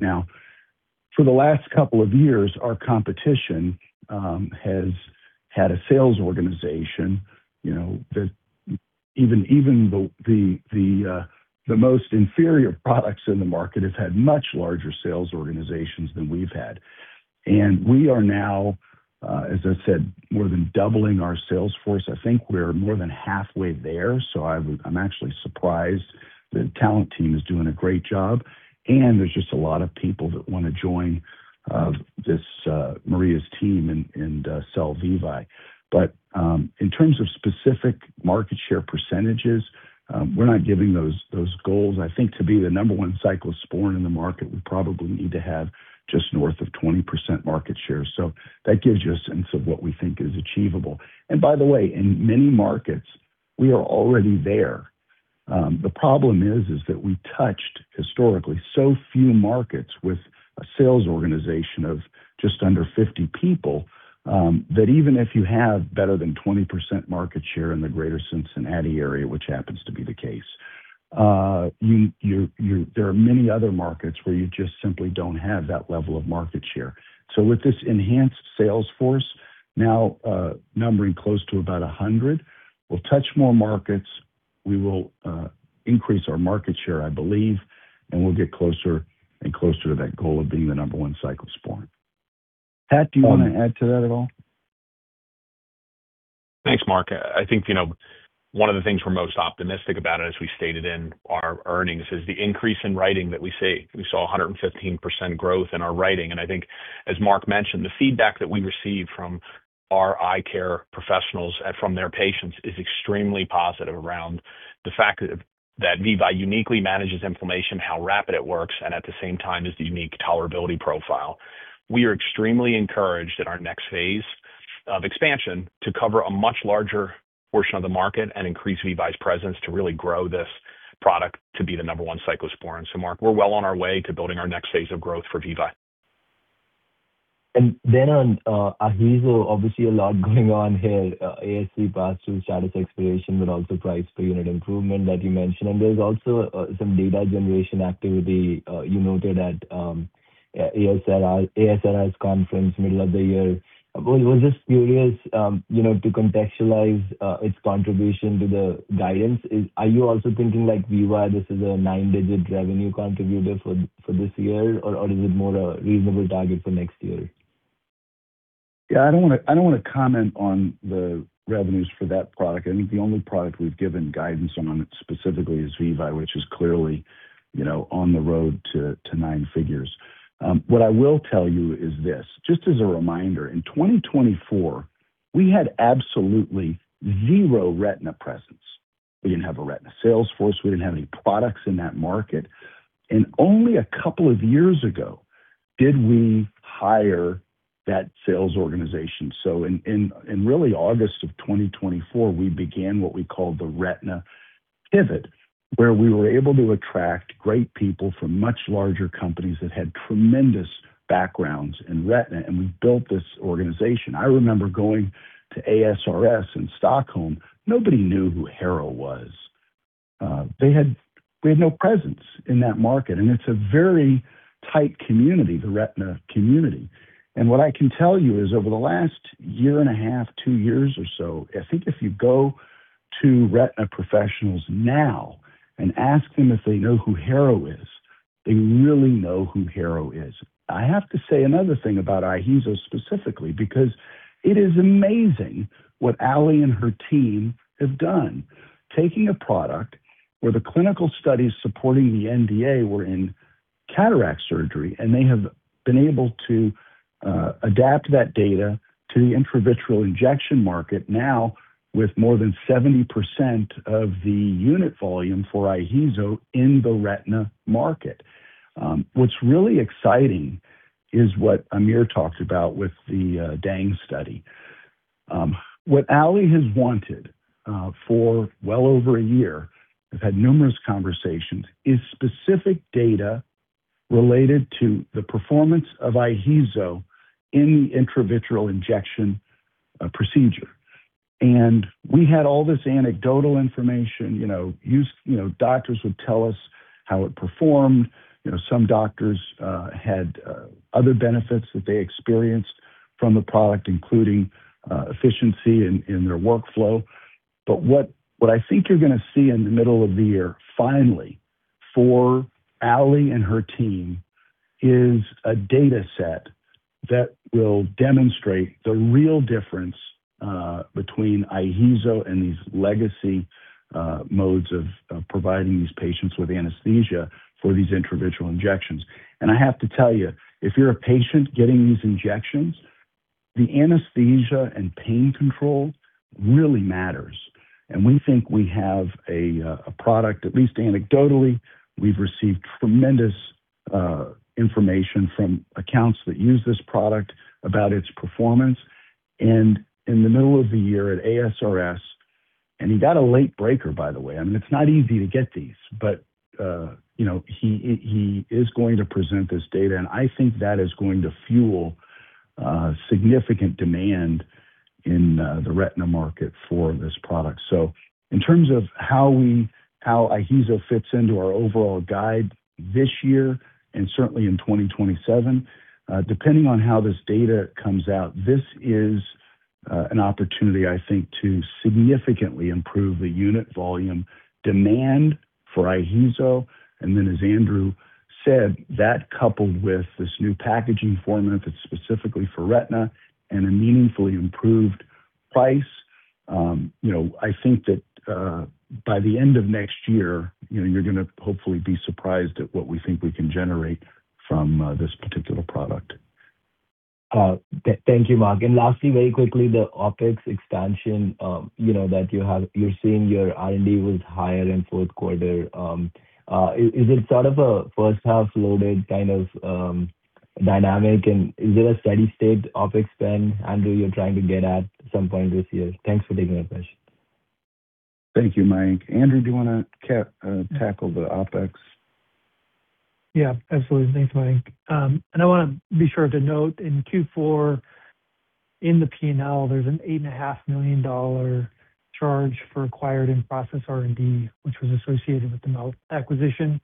For the last couple of years, our competition has had a sales organization, you know, that even the most inferior products in the market have had much larger sales organizations than we've had. We are now, as I said, more than doubling our sales force. I think we're more than halfway there. I'm actually surprised. The talent team is doing a great job. There's just a lot of people that wanna join this Maria's team, sell VEVYE. In terms of specific market share percentages, we're not giving those goals. I think to be the number one cyclosporine in the market, we probably need to have just north of 20% market share. That gives you a sense of what we think is achievable. By the way, in many markets we are already there. The problem is that we touched historically so few markets with a sales organization of just under 50 people, that even if you have better than 20% market share in the greater Cincinnati area, which happens to be the case, you... There are many other markets where you just simply don't have that level of market share. With this enhanced sales force now, numbering close to about 100, we'll touch more markets. We will increase our market share, I believe, and we'll get closer and closer to that goal of being the number one cyclosporine. Pat, do you want to add to that at all? Thanks, Mark. I think, you know, one of the things we're most optimistic about, as we stated in our earnings, is the increase in writing that we see. We saw 115% growth in our writing. I think as Mark mentioned, the feedback that we receive from our eye care professionals and from their patients is extremely positive around the fact that VEVYE uniquely manages inflammation, how rapid it works, and at the same time, is the unique tolerability profile. We are extremely encouraged in our next phase of expansion to cover a much larger portion of the market and increase VEVYE's presence to really grow this product to be the number one cyclosporine. Mark, we're well on our way to building our next phase of growth for VEVYE. On IHEEZO, obviously a lot going on here. ASC pass-through status expiration, but also price per unit improvement that you mentioned. There's also some data generation activity you noted at ASRS conference middle of the year. Was just curious, you know, to contextualize its contribution to the guidance. Are you also thinking like VEVYE, this is a 9-digit revenue contributor for this year, or is it more a reasonable target for next year? Yeah, I don't wanna comment on the revenues for that product. I think the only product we've given guidance on specifically is VEVYE, which is clearly, you know, on the road to nine figures. What I will tell you is this. Just as a reminder, in 2024, we had absolutely zero retina presence. We didn't have a retina sales force. We didn't have any products in that market. Only a couple of years ago did we hire that sales organization. In really August of 2024, we began what we call the Retina Pivot, where we were able to attract great people from much larger companies that had tremendous backgrounds in retina, and we built this organization. I remember going to ASRS in Stockholm. Nobody knew who Harrow was. We had no presence in that market. It's a very tight community, the retina community. What I can tell you is over the last year and a half, two years or so, I think if you go to retina professionals now and ask them if they know who Harrow is, they really know who Harrow is. I have to say another thing about IHEEZO specifically, because it is amazing what Ali and her team have done. Taking a product where the clinical studies supporting the NDA were in cataract surgery, and they have been able to adapt that data to the intravitreal injection market now with more than 70% of the unit volume for IHEEZO in the retina market. What's really exciting is what Amir talked about with the DANG study. What Ali has wanted for well over a year, we've had numerous conversations, is specific data related to the performance of IHEEZO in the intravitreal injection procedure. We had all this anecdotal information, you know, doctors would tell us how it performed. You know, some doctors had other benefits that they experienced from the product, including efficiency in their workflow. What I think you're gonna see in the middle of the year, finally, for Ali and her team, is a data set that will demonstrate the real difference between IHEEZO and these legacy modes of providing these patients with anesthesia for these intravitreal injections. I have to tell you, if you're a patient getting these injections, the anesthesia and pain control really matters. We think we have a product, at least anecdotally, we've received tremendous information from accounts that use this product about its performance. In the middle of the year at ASRS, and he got a late breaker, by the way. I mean, it's not easy to get these. You know, he is going to present this data, and I think that is going to fuel significant demand in the retina market for this product. In terms of how IHEEZO fits into our overall guide this year and certainly in 2027, depending on how this data comes out, this is an opportunity, I think, to significantly improve the unit volume demand for IHEEZO. As Andrew said, that coupled with this new packaging format that's specifically for retina and a meaningfully improved price, you know, I think that by the end of next year, you know, you're gonna hopefully be surprised at what we think we can generate from this particular product. Thank you, Mark. Lastly, very quickly, the OpEx expansion, you know, you're seeing your R&D was higher in fourth quarter. Is it sort of a first half loaded kind of dynamic? Is it a steady state OpEx spend, Andrew, you're trying to get at some point this year? Thanks for taking my question. Thank you, Mike. Andrew, do you wanna tackle the OpEx? Yeah, absolutely. Thanks, Mike. I wanna be sure to note in Q4, in the P&L, there's an $8.5 million charge for acquired and processed R&D, which was associated with the Melt acquisition.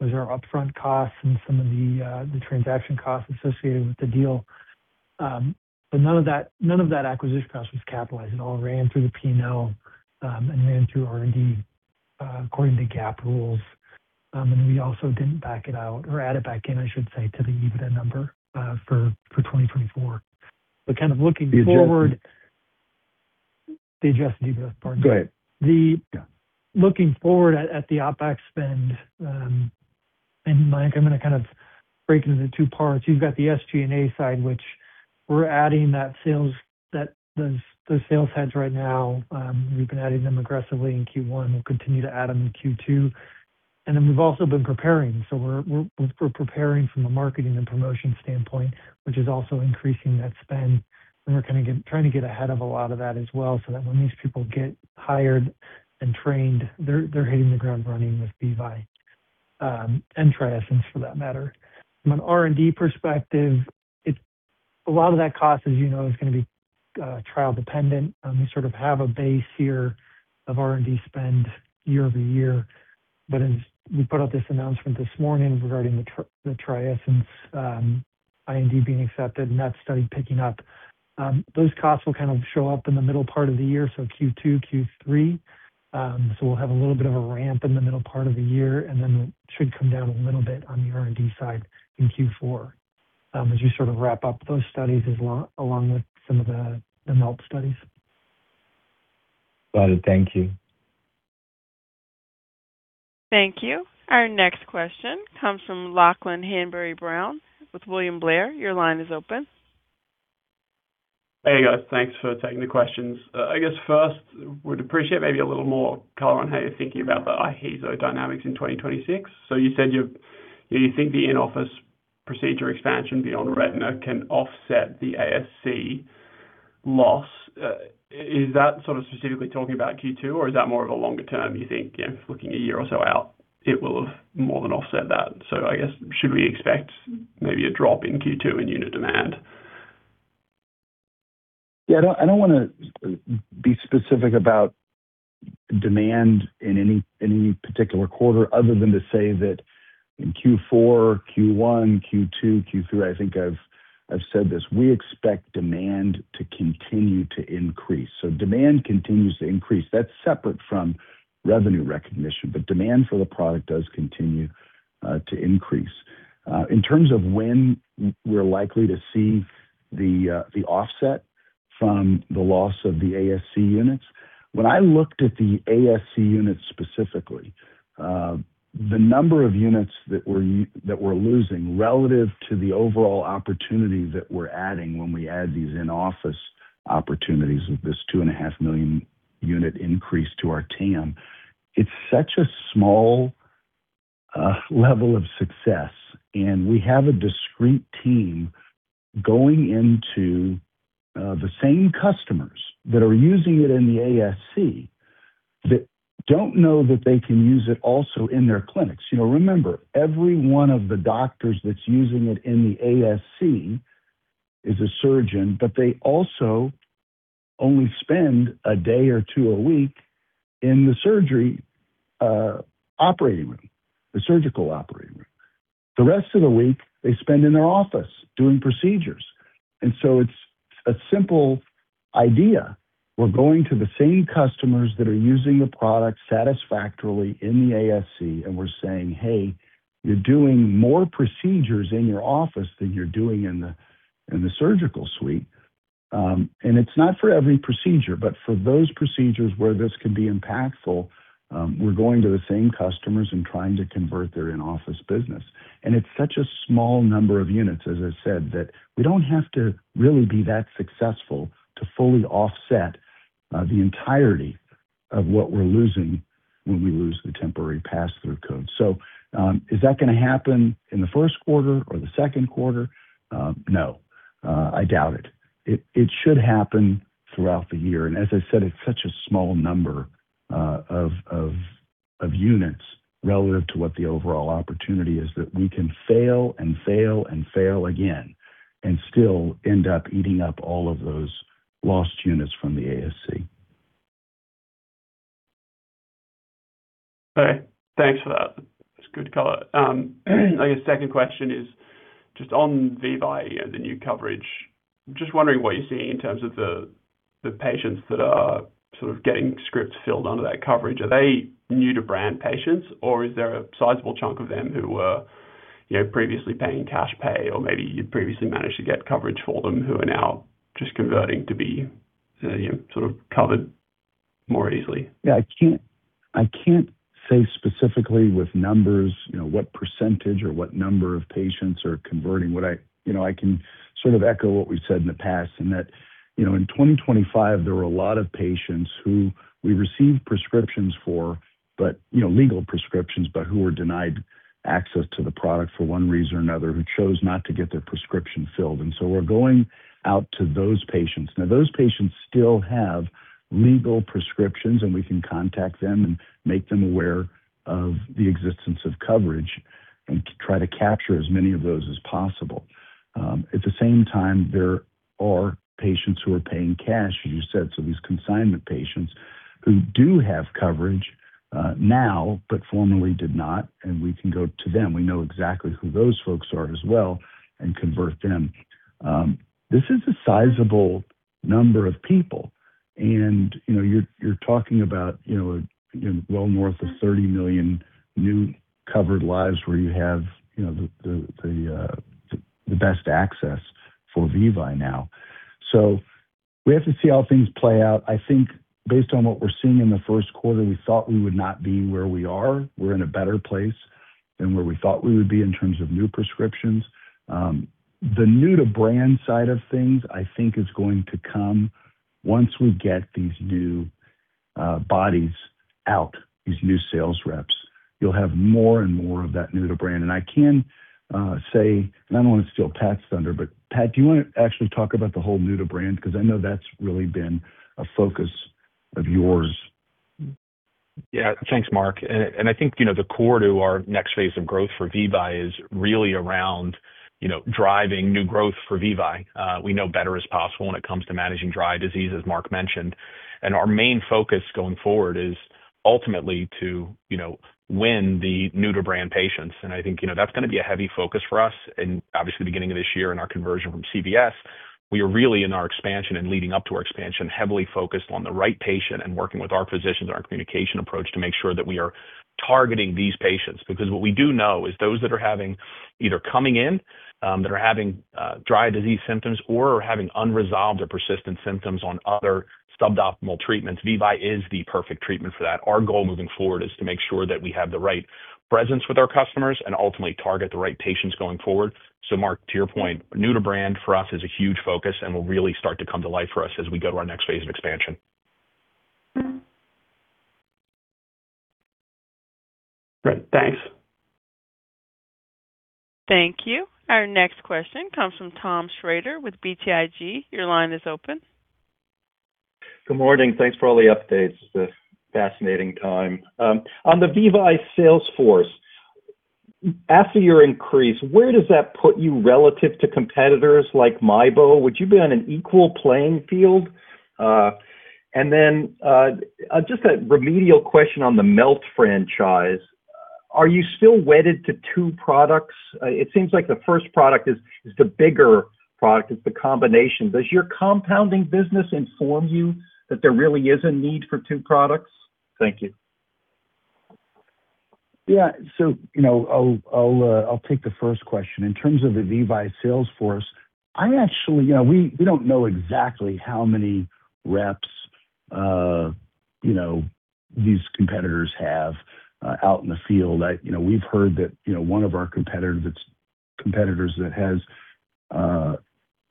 Those are upfront costs and some of the transaction costs associated with the deal. None of that acquisition cost was capitalized. It all ran through the P&L and ran through R&D according to GAAP rules. We also didn't back it out or add it back in, I should say, to the EBITDA number for 2024. Kind of looking forward. The adjusted. The adjusted EBITDA, pardon. Go ahead. The- Yeah. Looking forward at the OpEx spend, Mike, I'm gonna kind of break it into two parts. You've got the SG&A side, which we're adding that sales heads right now. We've been adding them aggressively in Q1. We'll continue to add them in Q2. We've also been preparing. We're preparing from a marketing and promotion standpoint, which is also increasing that spend. We're kinda trying to get ahead of a lot of that as well, so that when these people get hired and trained, they're hitting the ground running with VEVYE. TRIESENCE for that matter. From an R&D perspective, a lot of that cost, as you know, is going to be trial dependent. We sort of have a base year of R&D spend year-over-year. As we put out this announcement this morning regarding the TRIESENCE IND being accepted and that study picking up, those costs will kind of show up in the middle part of the year, so Q2, Q3. We'll have a little bit of a ramp in the middle part of the year, and then it should come down a little bit on the R&D side in Q4, as you sort of wrap up those studies along with some of the Melt studies. Got it. Thank you. Thank you. Our next question comes from Lachlan Hanbury-Brown with William Blair. Your line is open. Hey, guys. Thanks for taking the questions. I guess first, would appreciate maybe a little more color on how you're thinking about the IHEEZO dynamics in 2026. You said you think the in-office procedure expansion beyond retina can offset the ASC loss. Is that sort of specifically talking about Q2, or is that more of a longer term, you think, you know, looking a year or so out, it will have more than offset that? I guess should we expect maybe a drop in Q2 in unit demand? I don't wanna be specific about demand in any particular quarter other than to say that in Q4, Q1, Q2, Q3, I think I've said this, we expect demand to continue to increase. Demand continues to increase. That's separate from revenue recognition, but demand for the product does continue to increase. In terms of when we're likely to see the offset from the loss of the ASC units. When I looked at the ASC units specifically, the number of units that we're losing relative to the overall opportunity that we're adding when we add these in-office opportunities with this 2.5 million unit increase to our TAM, it's such a small level of success. We have a discrete team going into the same customers that are using it in the ASC that don't know that they can use it also in their clinics. You know, remember, every one of the doctors that's using it in the ASC is a surgeon. They also only spend a day or 2 a week in the surgical operating room. The rest of the week, they spend in their office doing procedures. It's a simple idea. We're going to the same customers that are using the product satisfactorily in the ASC. We're saying, "Hey, you're doing more procedures in your office than you're doing in the, in the surgical suite." It's not for every procedure, but for those procedures where this can be impactful, we're going to the same customers and trying to convert their in-office business. It's such a small number of units, as I said, that we don't have to really be that successful to fully offset the entirety of what we're losing when we lose the temporary pass-through code. Is that gonna happen in the first quarter or the second quarter? No. I doubt it. It should happen throughout the year. As I said, it's such a small number of units relative to what the overall opportunity is that we can fail and fail and fail again and still end up eating up all of those lost units from the ASC. Okay. Thanks for that. It's good to call it. I guess second question is just on VEVYE and the new coverage. Just wondering what you're seeing in terms of the patients that are sort of getting scripts filled under that coverage. Are they new to brand patients, or is there a sizable chunk of them who were, you know, previously paying cash pay or maybe you previously managed to get coverage for them who are now just converting to be, you know, sort of covered more easily? Yeah. I can't say specifically with numbers, you know, what % or what number of patients are converting. You know, I can sort of echo what we've said in the past and that, you know, in 2025, there were a lot of patients who we received prescriptions for, but, you know, legal prescriptions, but who were denied access to the product for one reason or another, who chose not to get their prescription filled. We're going out to those patients. Now, those patients still have legal prescriptions, and we can contact them and make them aware of the existence of coverage and try to capture as many of those as possible. At the same time, there are patients who are paying cash, as you said, so these consignment patients who do have coverage now but formerly did not, and we can go to them. We know exactly who those folks are as well and convert them. This is a sizable number of people and, you know, you're talking about, you know, well north of $30 million new covered lives where you have, you know, the best access for VEVYE now. We have to see how things play out. I think based on what we're seeing in the first quarter, we thought we would not be where we are. We're in a better place than where we thought we would be in terms of new prescriptions. The new to brand side of things I think is going to come once we get these new bodies out, these new sales reps. You'll have more and more of that new to brand. I can, I don't want to steal Pat's thunder, but Pat, do you wanna actually talk about the whole new to brand? I know that's really been a focus of yours. Thanks, Mark. I think, you know, the core to our next phase of growth for VEVYE is really around, you know, driving new growth for VEVYE. We know better is possible when it comes to managing dry eye disease, as Mark mentioned. Our main focus going forward is ultimately to, you know, win the new-to-brand patients. I think, you know, that's gonna be a heavy focus for us. Obviously, beginning of this year in our conversion from CVS, we are really in our expansion and leading up to our expansion, heavily focused on the right patient and working with our physicians and our communication approach to make sure that we are targeting these patients. Because what we do know is those that are having either coming in, that are having dry eye disease symptoms or are having unresolved or persistent symptoms on other suboptimal treatments, VEVYE is the perfect treatment for that. Our goal moving forward is to make sure that we have the right presence with our customers and ultimately target the right patients going forward. Mark, to your point, new-to-brand for us is a huge focus and will really start to come to life for us as we go to our next phase of expansion. Great. Thanks. Thank you. Our next question comes from Thomas Shrader with BTIG. Your line is open. Good morning. Thanks for all the updates. This fascinating time. On the VEVYE sales force, after your increase, where does that put you relative to competitors like Miebo? Would you be on an equal playing field? Just a remedial question on the melt franchise, are you still wedded to two products? It seems like the first product is the bigger product, it's the combination. Does your compounding business inform you that there really is a need for two products? Thank you. Yeah. You know, I'll take the first question. In terms of the VEVYE sales force, You know, we don't know exactly how many reps, you know, these competitors have out in the field. You know, we've heard that, you know, one of our competitors that has,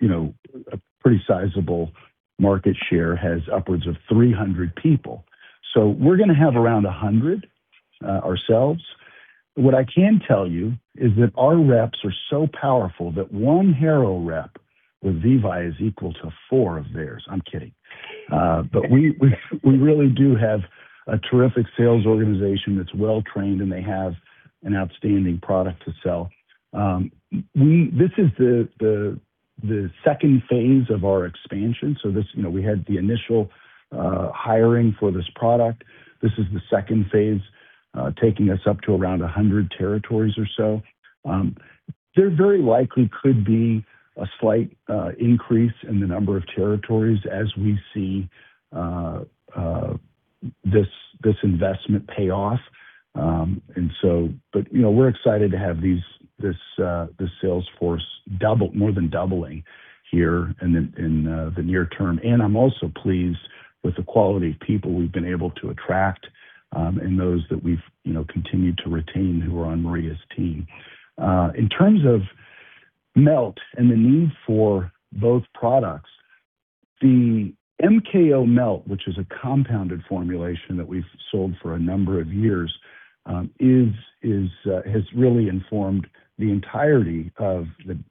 you know, a pretty sizable market share has upwards of 300 people. We're gonna have around 100 ourselves. What I can tell you is that our reps are so powerful that one Harrow rep with VEVYE is equal to four of theirs. I'm kidding. We really do have a terrific sales organization that's well trained, and they have an outstanding product to sell. This is the second phase of our expansion. This, you know, we had the initial hiring for this product. This is the second phase, taking us up to around 100 territories or so. There very likely could be a slight increase in the number of territories as we see this investment pay off. You know, we're excited to have these, this sales force more than doubling here in the near term. I'm also pleased with the quality of people we've been able to attract, and those that we've, you know, continued to retain who are on Maria's team. In terms of melt and the need for both products, the MKO Melt, which is a compounded formulation that we've sold for a number of years, has really informed the entirety of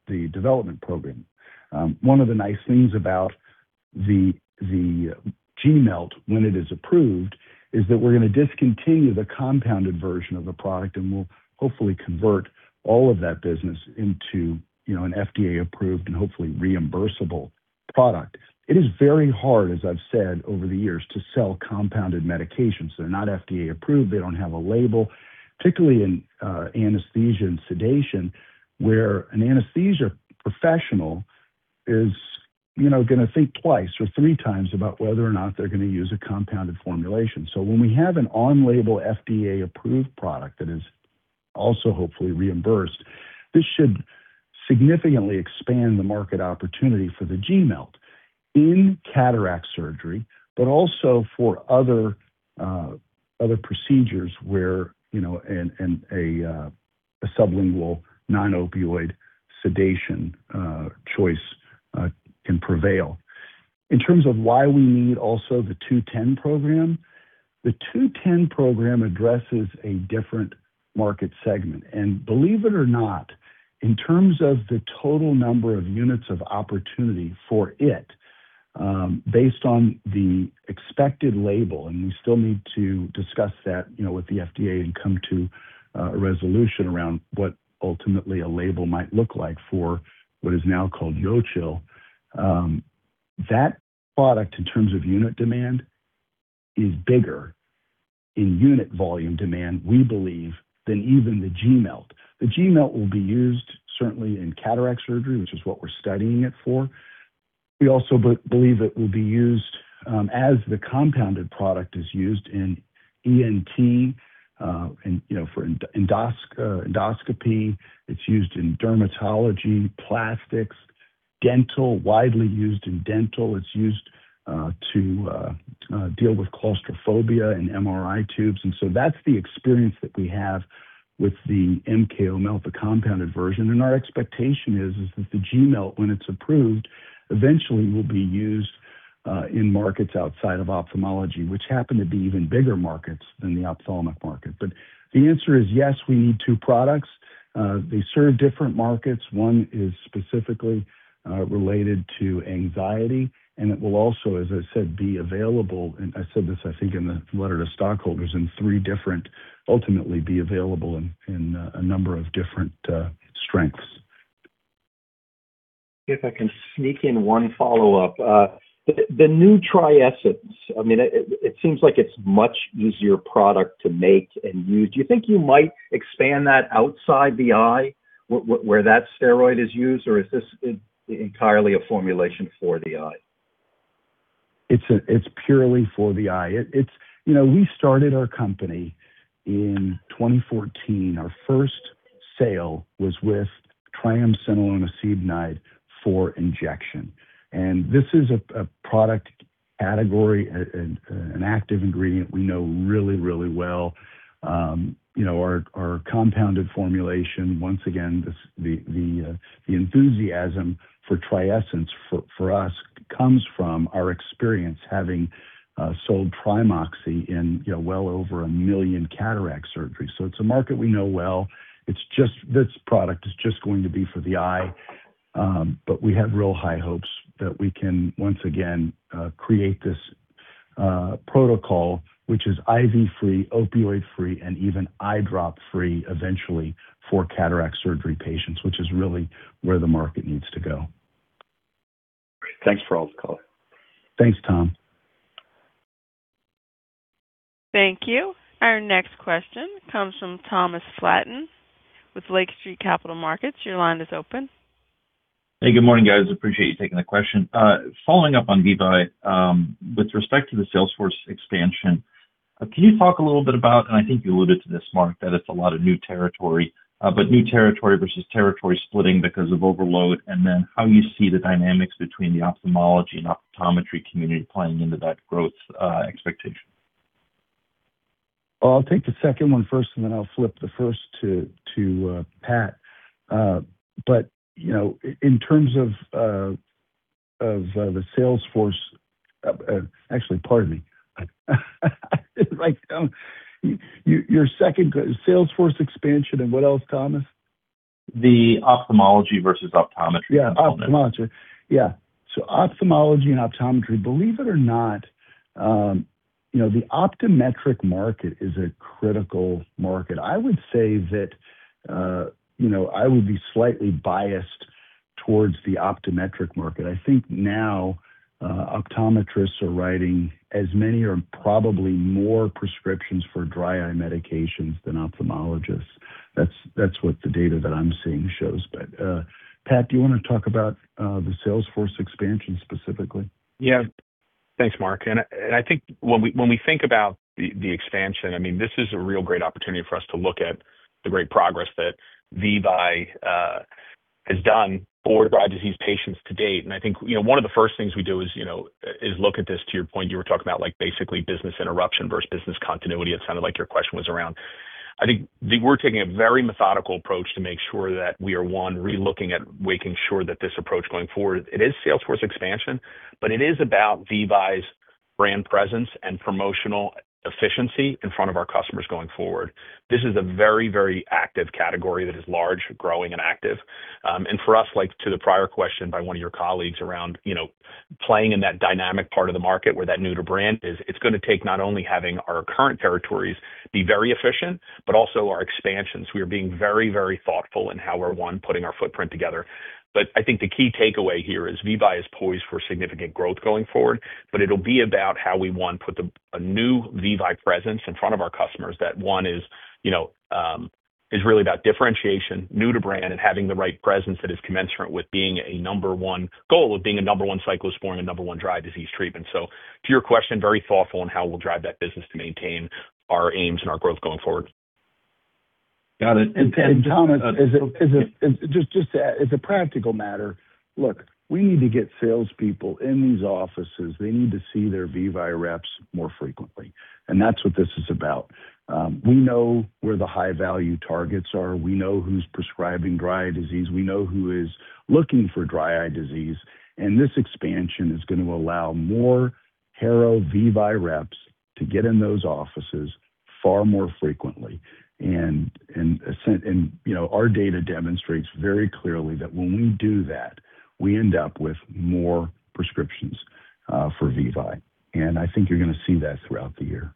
the development program. One of the nice things about the G-MELT when it is approved is that we're gonna discontinue the compounded version of the product, and we'll hopefully convert all of that business into, you know, an FDA-approved and hopefully reimbursable product. It is very hard, as I've said over the years, to sell compounded medications. They're not FDA-approved. They don't have a label, particularly in anesthesia and sedation, where an anesthesia professional is, you know, gonna think twice or three times about whether or not they're gonna use a compounded formulation. When we have an on-label FDA-approved product that is also hopefully reimbursed, this should significantly expand the market opportunity for the G-MELT in cataract surgery, but also for other procedures where, you know, and a sublingual non-opioid sedation choice can prevail. In terms of why we need also the 210 program, the 210 program addresses a different market segment. Believe it or not, in terms of the total number of units of opportunity for it, based on the expected label, and we still need to discuss that, you know, with the FDA and come to a resolution around what ultimately a label might look like for what is now called YOCHIL. That product, in terms of unit demand, is bigger in unit volume demand, we believe, than even the G-MELT. The G-MELT will be used certainly in cataract surgery, which is what we're studying it for. We also believe it will be used, as the compounded product is used in ENT, and you know, for endoscopy. It's used in dermatology, plastics, dental, widely used in dental. It's used to deal with claustrophobia in MRI tubes. So that's the experience that we have with the MKO Melt, the compounded version. Our expectation is that the G-MELT, when it's approved, eventually will be used in markets outside of ophthalmology, which happen to be even bigger markets than the ophthalmic market. The answer is yes, we need two products. They serve different markets. One is specifically related to anxiety. It will also, as I said, be available. I said this, I think, in the letter to stockholders ultimately be available in a number of different strengths. If I can sneak in one follow-up. The new TRIESENCE, I mean, it seems like it's much easier product to make and use. Do you think you might expand that outside the eye where that steroid is used, or is this entirely a formulation for the eye? It's purely for the eye. You know, we started our company in 2014. Our first sale was with triamcinolone acetonide for injection. This is a product category and an active ingredient we know really, really well. You know, our compounded formulation, once again, the enthusiasm for TRIESENCE for us comes from our experience having sold Tri-Moxi in, you know, well over 1 million cataract surgery. It's a market we know well. It's just this product is just going to be for the eye. But we have real high hopes that we can once again create this protocol, which is IV-free, opioid-free, and even eye-drop-free eventually for cataract surgery patients, which is really where the market needs to go. Great. Thanks for all the color. Thanks, Tom. Thank you. Our next question comes from Thomas Flaten with Lake Street Capital Markets. Your line is open. Hey, good morning, guys. Appreciate you taking the question. Following up on VEVYE, with respect to the sales force expansion, can you talk a little bit about, and I think you alluded to this, Mark, that it's a lot of new territory, but new territory versus territory splitting because of overload, and then how you see the dynamics between the ophthalmology and optometry community playing into that growth, expectation? I'll take the second one first, then I'll flip the first to Pat. You know, in terms of the sales force. Actually, pardon me. I don't. Your second sales force expansion and what else, Thomas? The ophthalmology versus optometry component. Yeah. Ophthalmology. Yeah. Ophthalmology and optometry, believe it or not, you know, the optometric market is a critical market. I would say that, you know, I would be slightly biased towards the optometric market. I think now, optometrists are writing as many or probably more prescriptions for dry eye medications than ophthalmologists. That's what the data that I'm seeing shows. Pat, do you want to talk about the sales force expansion specifically? Yeah. Thanks, Mark. I think when we think about the expansion, I mean, this is a real great opportunity for us to look at the great progress that VEVYE has done for dry eye disease patients to date. I think, you know, one of the first things we do is, you know, is look at this to your point, you were talking about like basically business interruption versus business continuity. It sounded like your question was around. I think we're taking a very methodical approach to make sure that we are, one, relooking at making sure that this approach going forward, it is sales force expansion, but it is about VEVYE's brand presence and promotional efficiency in front of our customers going forward. This is a very active category that is large, growing and active. For us, like to the prior question by one of your colleagues around, you know, playing in that dynamic part of the market where that new to brand is, it's gonna take not only having our current territories be very efficient, but also our expansions. We are being very, very thoughtful in how we're, one, putting our footprint together. I think the key takeaway here is VEVYE is poised for significant growth going forward, but it'll be about how we, one, put a new VEVYE presence in front of our customers. That one is, you know, is really about differentiation, new to brand, and having the right presence that is commensurate with being a number one goal of being a number one cyclosporine and number one dry eye disease treatment. To your question, very thoughtful on how we'll drive that business to maintain our aims and our growth going forward. Got it. Thomas, just as a practical matter, look, we need to get salespeople in these offices. They need to see their VEVYE reps more frequently, and that's what this is about. We know where the high value targets are. We know who's prescribing dry eye disease. We know who is looking for dry eye disease. This expansion is gonna allow more Harrow VEVYE reps to get in those offices far more frequently. You know, our data demonstrates very clearly that when we do that, we end up with more prescriptions for VEVYE. I think you're gonna see that throughout the year.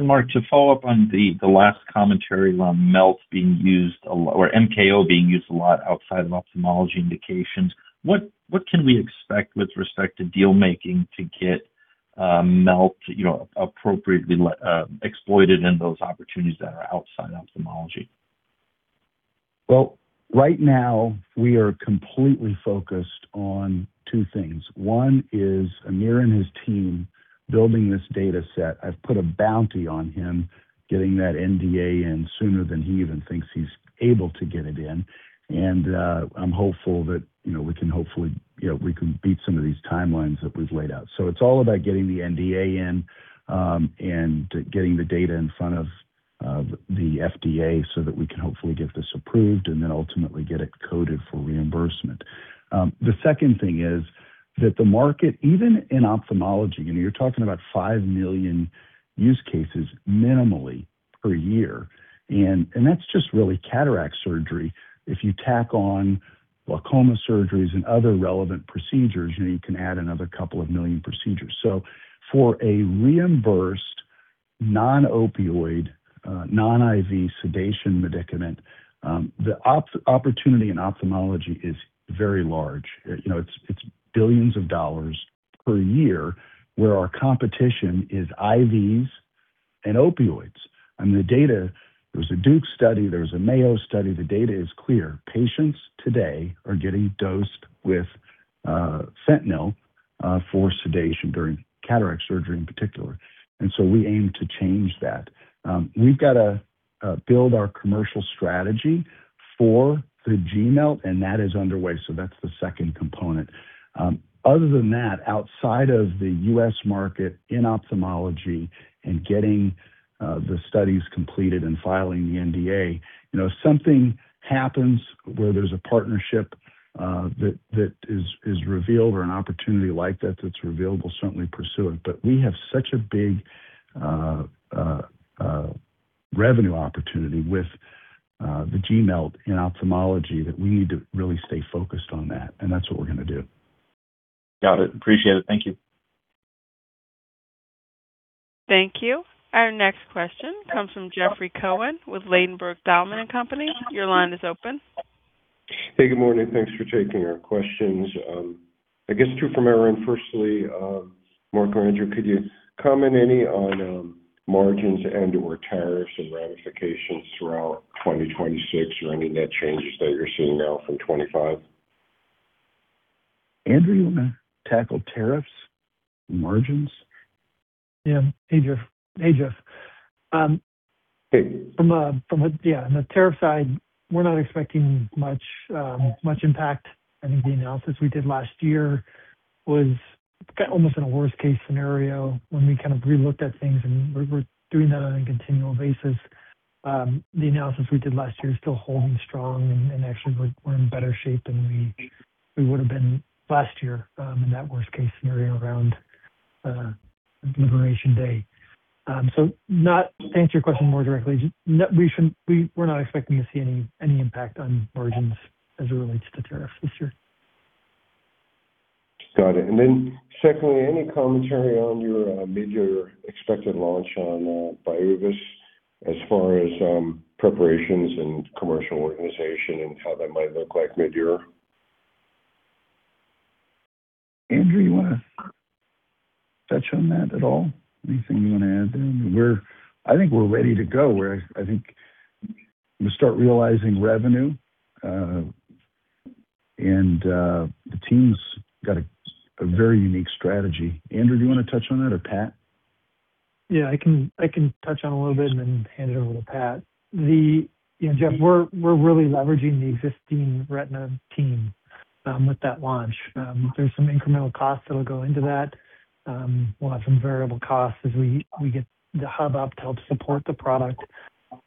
Mark, to follow up on the last commentary on MELT being used or MKO being used a lot outside of ophthalmology indications, what can we expect with respect to deal making to get MELT, you know, appropriately exploited in those opportunities that are outside ophthalmology? Well, right now we are completely focused on two things. One is Amir and his team building this data set. I've put a bounty on him getting that NDA in sooner than he even thinks he's able to get it in. I'm hopeful that, you know, we can hopefully, you know, we can beat some of these timelines that we've laid out. It's all about getting the NDA in and getting the data in front of the FDA so that we can hopefully get this approved and then ultimately get it coded for reimbursement. The second thing is that the market, even in ophthalmology, you know, you're talking about 5 million use cases minimally per year, and that's just really cataract surgery. If you tack on glaucoma surgeries and other relevant procedures, you know, you can add another couple of million procedures. For a reimbursed non-opioid, non-IV sedation medicament, the opportunity in ophthalmology is very large. You know, it's billions of dollars per year where our competition is IVs and opioids. The data, there's a Duke study, there's a Mayo study, the data is clear. Patients today are getting dosed with fentanyl for sedation during cataract surgery in particular. We aim to change that. We've got to build our commercial strategy for the G-MELT, and that is underway, so that's the second component. Other than that, outside of the U.S. market in ophthalmology and getting the studies completed and filing the NDA, you know, something happens where there's a partnership that is revealed or an opportunity like that that's revealed, we'll certainly pursue it. We have such a big revenue opportunity with the G-MELT in ophthalmology that we need to really stay focused on that, and that's what we're going to do. Got it. Appreciate it. Thank you. Thank you. Our next question comes from Jeffrey Cohen with Ladenburg Thalmann & Company. Your line is open. Hey, good morning. Thanks for taking our questions. I guess two from our end. Firstly, Mark or Andrew, could you comment any on margins and/or tariffs and ramifications throughout 2026 or any net changes that you're seeing now from 2025? Andrew, you want to tackle tariffs and margins? Yeah. Hey, Jeff. Hey. Yeah, on the tariff side, we're not expecting much impact. I think the analysis we did last year was kinda almost in a worst-case scenario when we kind of relooked at things, and we're doing that on a continual basis. The analysis we did last year is still holding strong, and actually we're in better shape than we would have been last year in that worst-case scenario around Liberation Day. To answer your question more directly, we're not expecting to see any impact on margins as it relates to tariffs this year. Got it. Secondly, any commentary on your midyear expected launch on BYOOVIZ as far as preparations and commercial organization and how that might look like midyear? Andrew, you wanna touch on that at all? Anything you want to add there? I think we're ready to go. I think we start realizing revenue and the team's got a very unique strategy. Andrew, do you want to touch on that or Pat? I can touch on a little bit and then hand it over to Pat. Jeff, we're really leveraging the existing retina team with that launch. There's some incremental costs that'll go into that. We'll have some variable costs as we get the hub up to help support the product.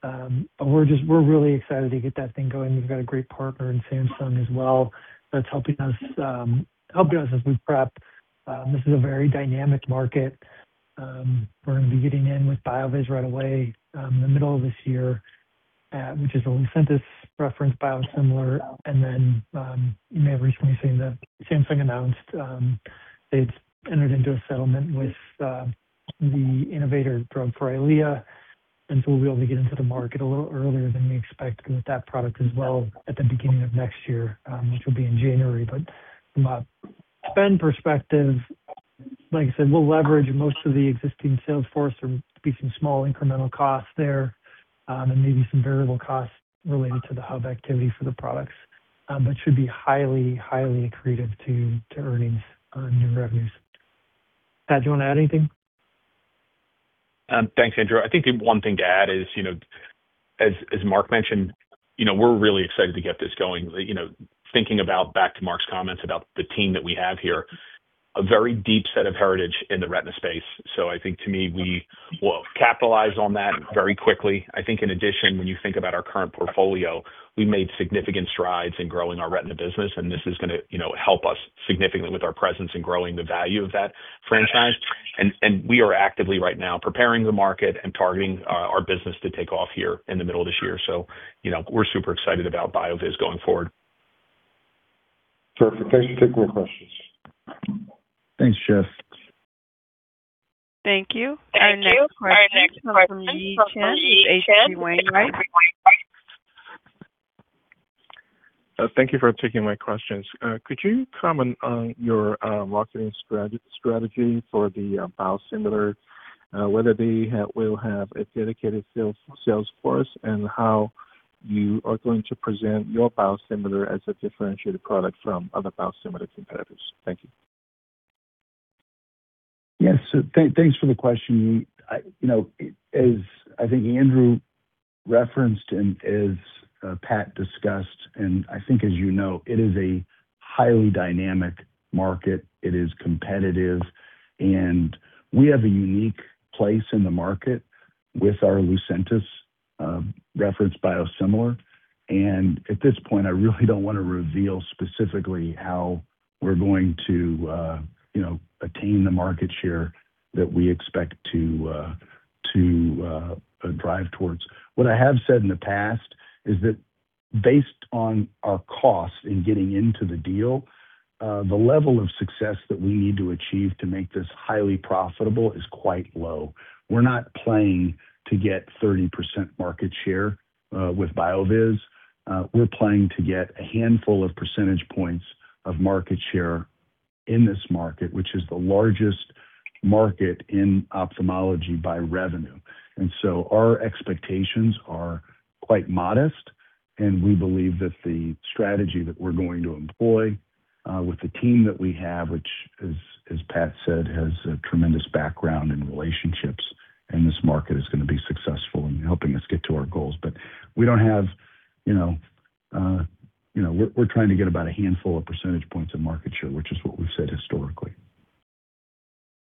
We're really excited to get that thing going. We've got a great partner in Samsung as well that's helping us, helping us as we prep. This is a very dynamic market. We're going to be getting in with BYOOVIZ right away in the middle of this year, which is a Lucentis-referenced biosimilar. Then, you may have recently seen that Samsung announced it's entered into a settlement with the innovator drug for EYLEA. We'll be able to get into the market a little earlier than we expected with that product as well at the beginning of next year, which will be in January. From a spend perspective, like I said, we'll leverage most of the existing sales force. There'll be some small incremental costs there, and maybe some variable costs related to the hub activity for the products, but should be highly accretive to earnings on new revenues. Pat, do you want to add anything? Thanks, Andrew. I think the one thing to add is, you know, as Mark mentioned, you know, we're really excited to get this going. You know, thinking about back to Mark's comments about the team that we have here, a very deep set of heritage in the retina space. I think to me, we will capitalize on that very quickly. I think in addition, when you think about our current portfolio, we made significant strides in growing our retina business, and this is going to, you know, help us significantly with our presence in growing the value of that franchise. We are actively right now preparing the market and targeting our business to take off here in the middle of this year. You know, we're super excited about BYOOVIZ going forward. Terrific. Thanks for taking my questions. Thanks, Jeff. Thank you. Our next question comes from Yi Chen with H.C. Wainwright. Thank you for taking my questions. Could you comment on your marketing strategy for the biosimilar, whether they will have a dedicated sales force and how you are going to present your biosimilar as a differentiated product from other biosimilar competitors? Thank you. Yes. Thanks for the question, Yi. You know, as I think Andrew referenced and as Pat discussed, I think as you know, it is a highly dynamic market. It is competitive, we have a unique place in the market with our Lucentis referenced biosimilar. At this point, I really don't wanna reveal specifically how we're going to, you know, attain the market share that we expect to drive towards. What I have said in the past is that based on our cost in getting into the deal, the level of success that we need to achieve to make this highly profitable is quite low. We're not playing to get 30% market share with BYOOVIZ. We're playing to get a handful of percentage points of market share in this market, which is the largest market in ophthalmology by revenue. Our expectations are quite modest, and we believe that the strategy that we're going to employ, with the team that we have, which as Pat said, has a tremendous background in relationships, and this market is gonna be successful in helping us get to our goals. We don't have, you know, you know, we're trying to get about a handful of percentage points of market share, which is what we've said historically.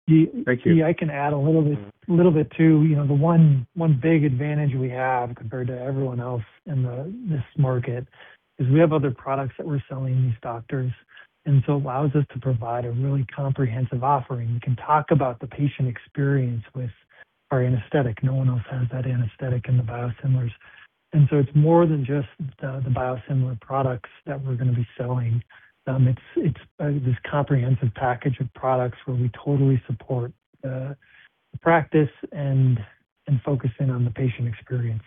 Thank you. I can add a little bit too. You know, the one big advantage we have compared to everyone else in this market is we have other products that we're selling these doctors. It allows us to provide a really comprehensive offering. We can talk about the patient experience with our anesthetic. No one else has that anesthetic in the biosimilars. It's more than just the biosimilar products that we're gonna be selling. It's this comprehensive package of products where we totally support the practice and focusing on the patient experience.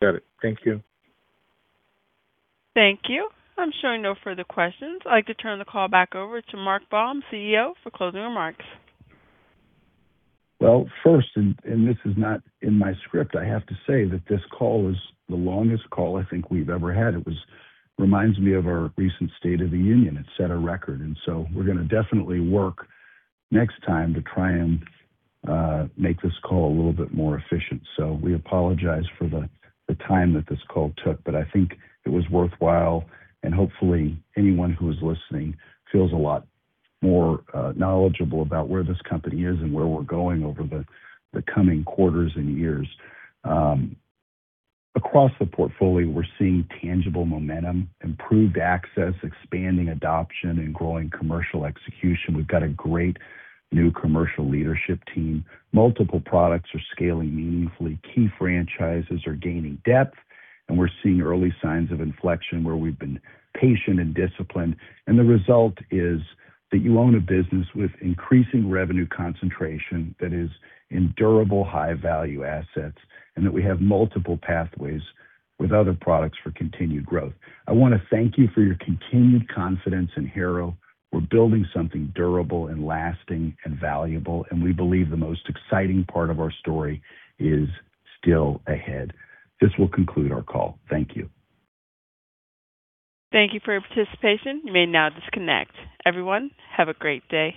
Got it. Thank you. Thank you. I'm showing no further questions. I'd like to turn the call back over to Mark Baum, CEO, for closing remarks. First, this is not in my script, I have to say that this call is the longest call I think we've ever had. It reminds me of our recent State of the Union. It set a record. We're gonna definitely work next time to try and make this call a little bit more efficient. We apologize for the time that this call took, but I think it was worthwhile. Hopefully, anyone who is listening feels a lot more knowledgeable about where this company is and where we're going over the coming quarters and years. Across the portfolio, we're seeing tangible momentum, improved access, expanding adoption, and growing commercial execution. We've got a great new commercial leadership team. Multiple products are scaling meaningfully. Key franchises are gaining depth, and we're seeing early signs of inflection where we've been patient and disciplined. The result is that you own a business with increasing revenue concentration that is in durable high-value assets, and that we have multiple pathways with other products for continued growth. I wanna thank you for your continued confidence in Harrow. We're building something durable and lasting and valuable, and we believe the most exciting part of our story is still ahead. This will conclude our call. Thank you. Thank you for your participation. You may now disconnect. Everyone, have a great day.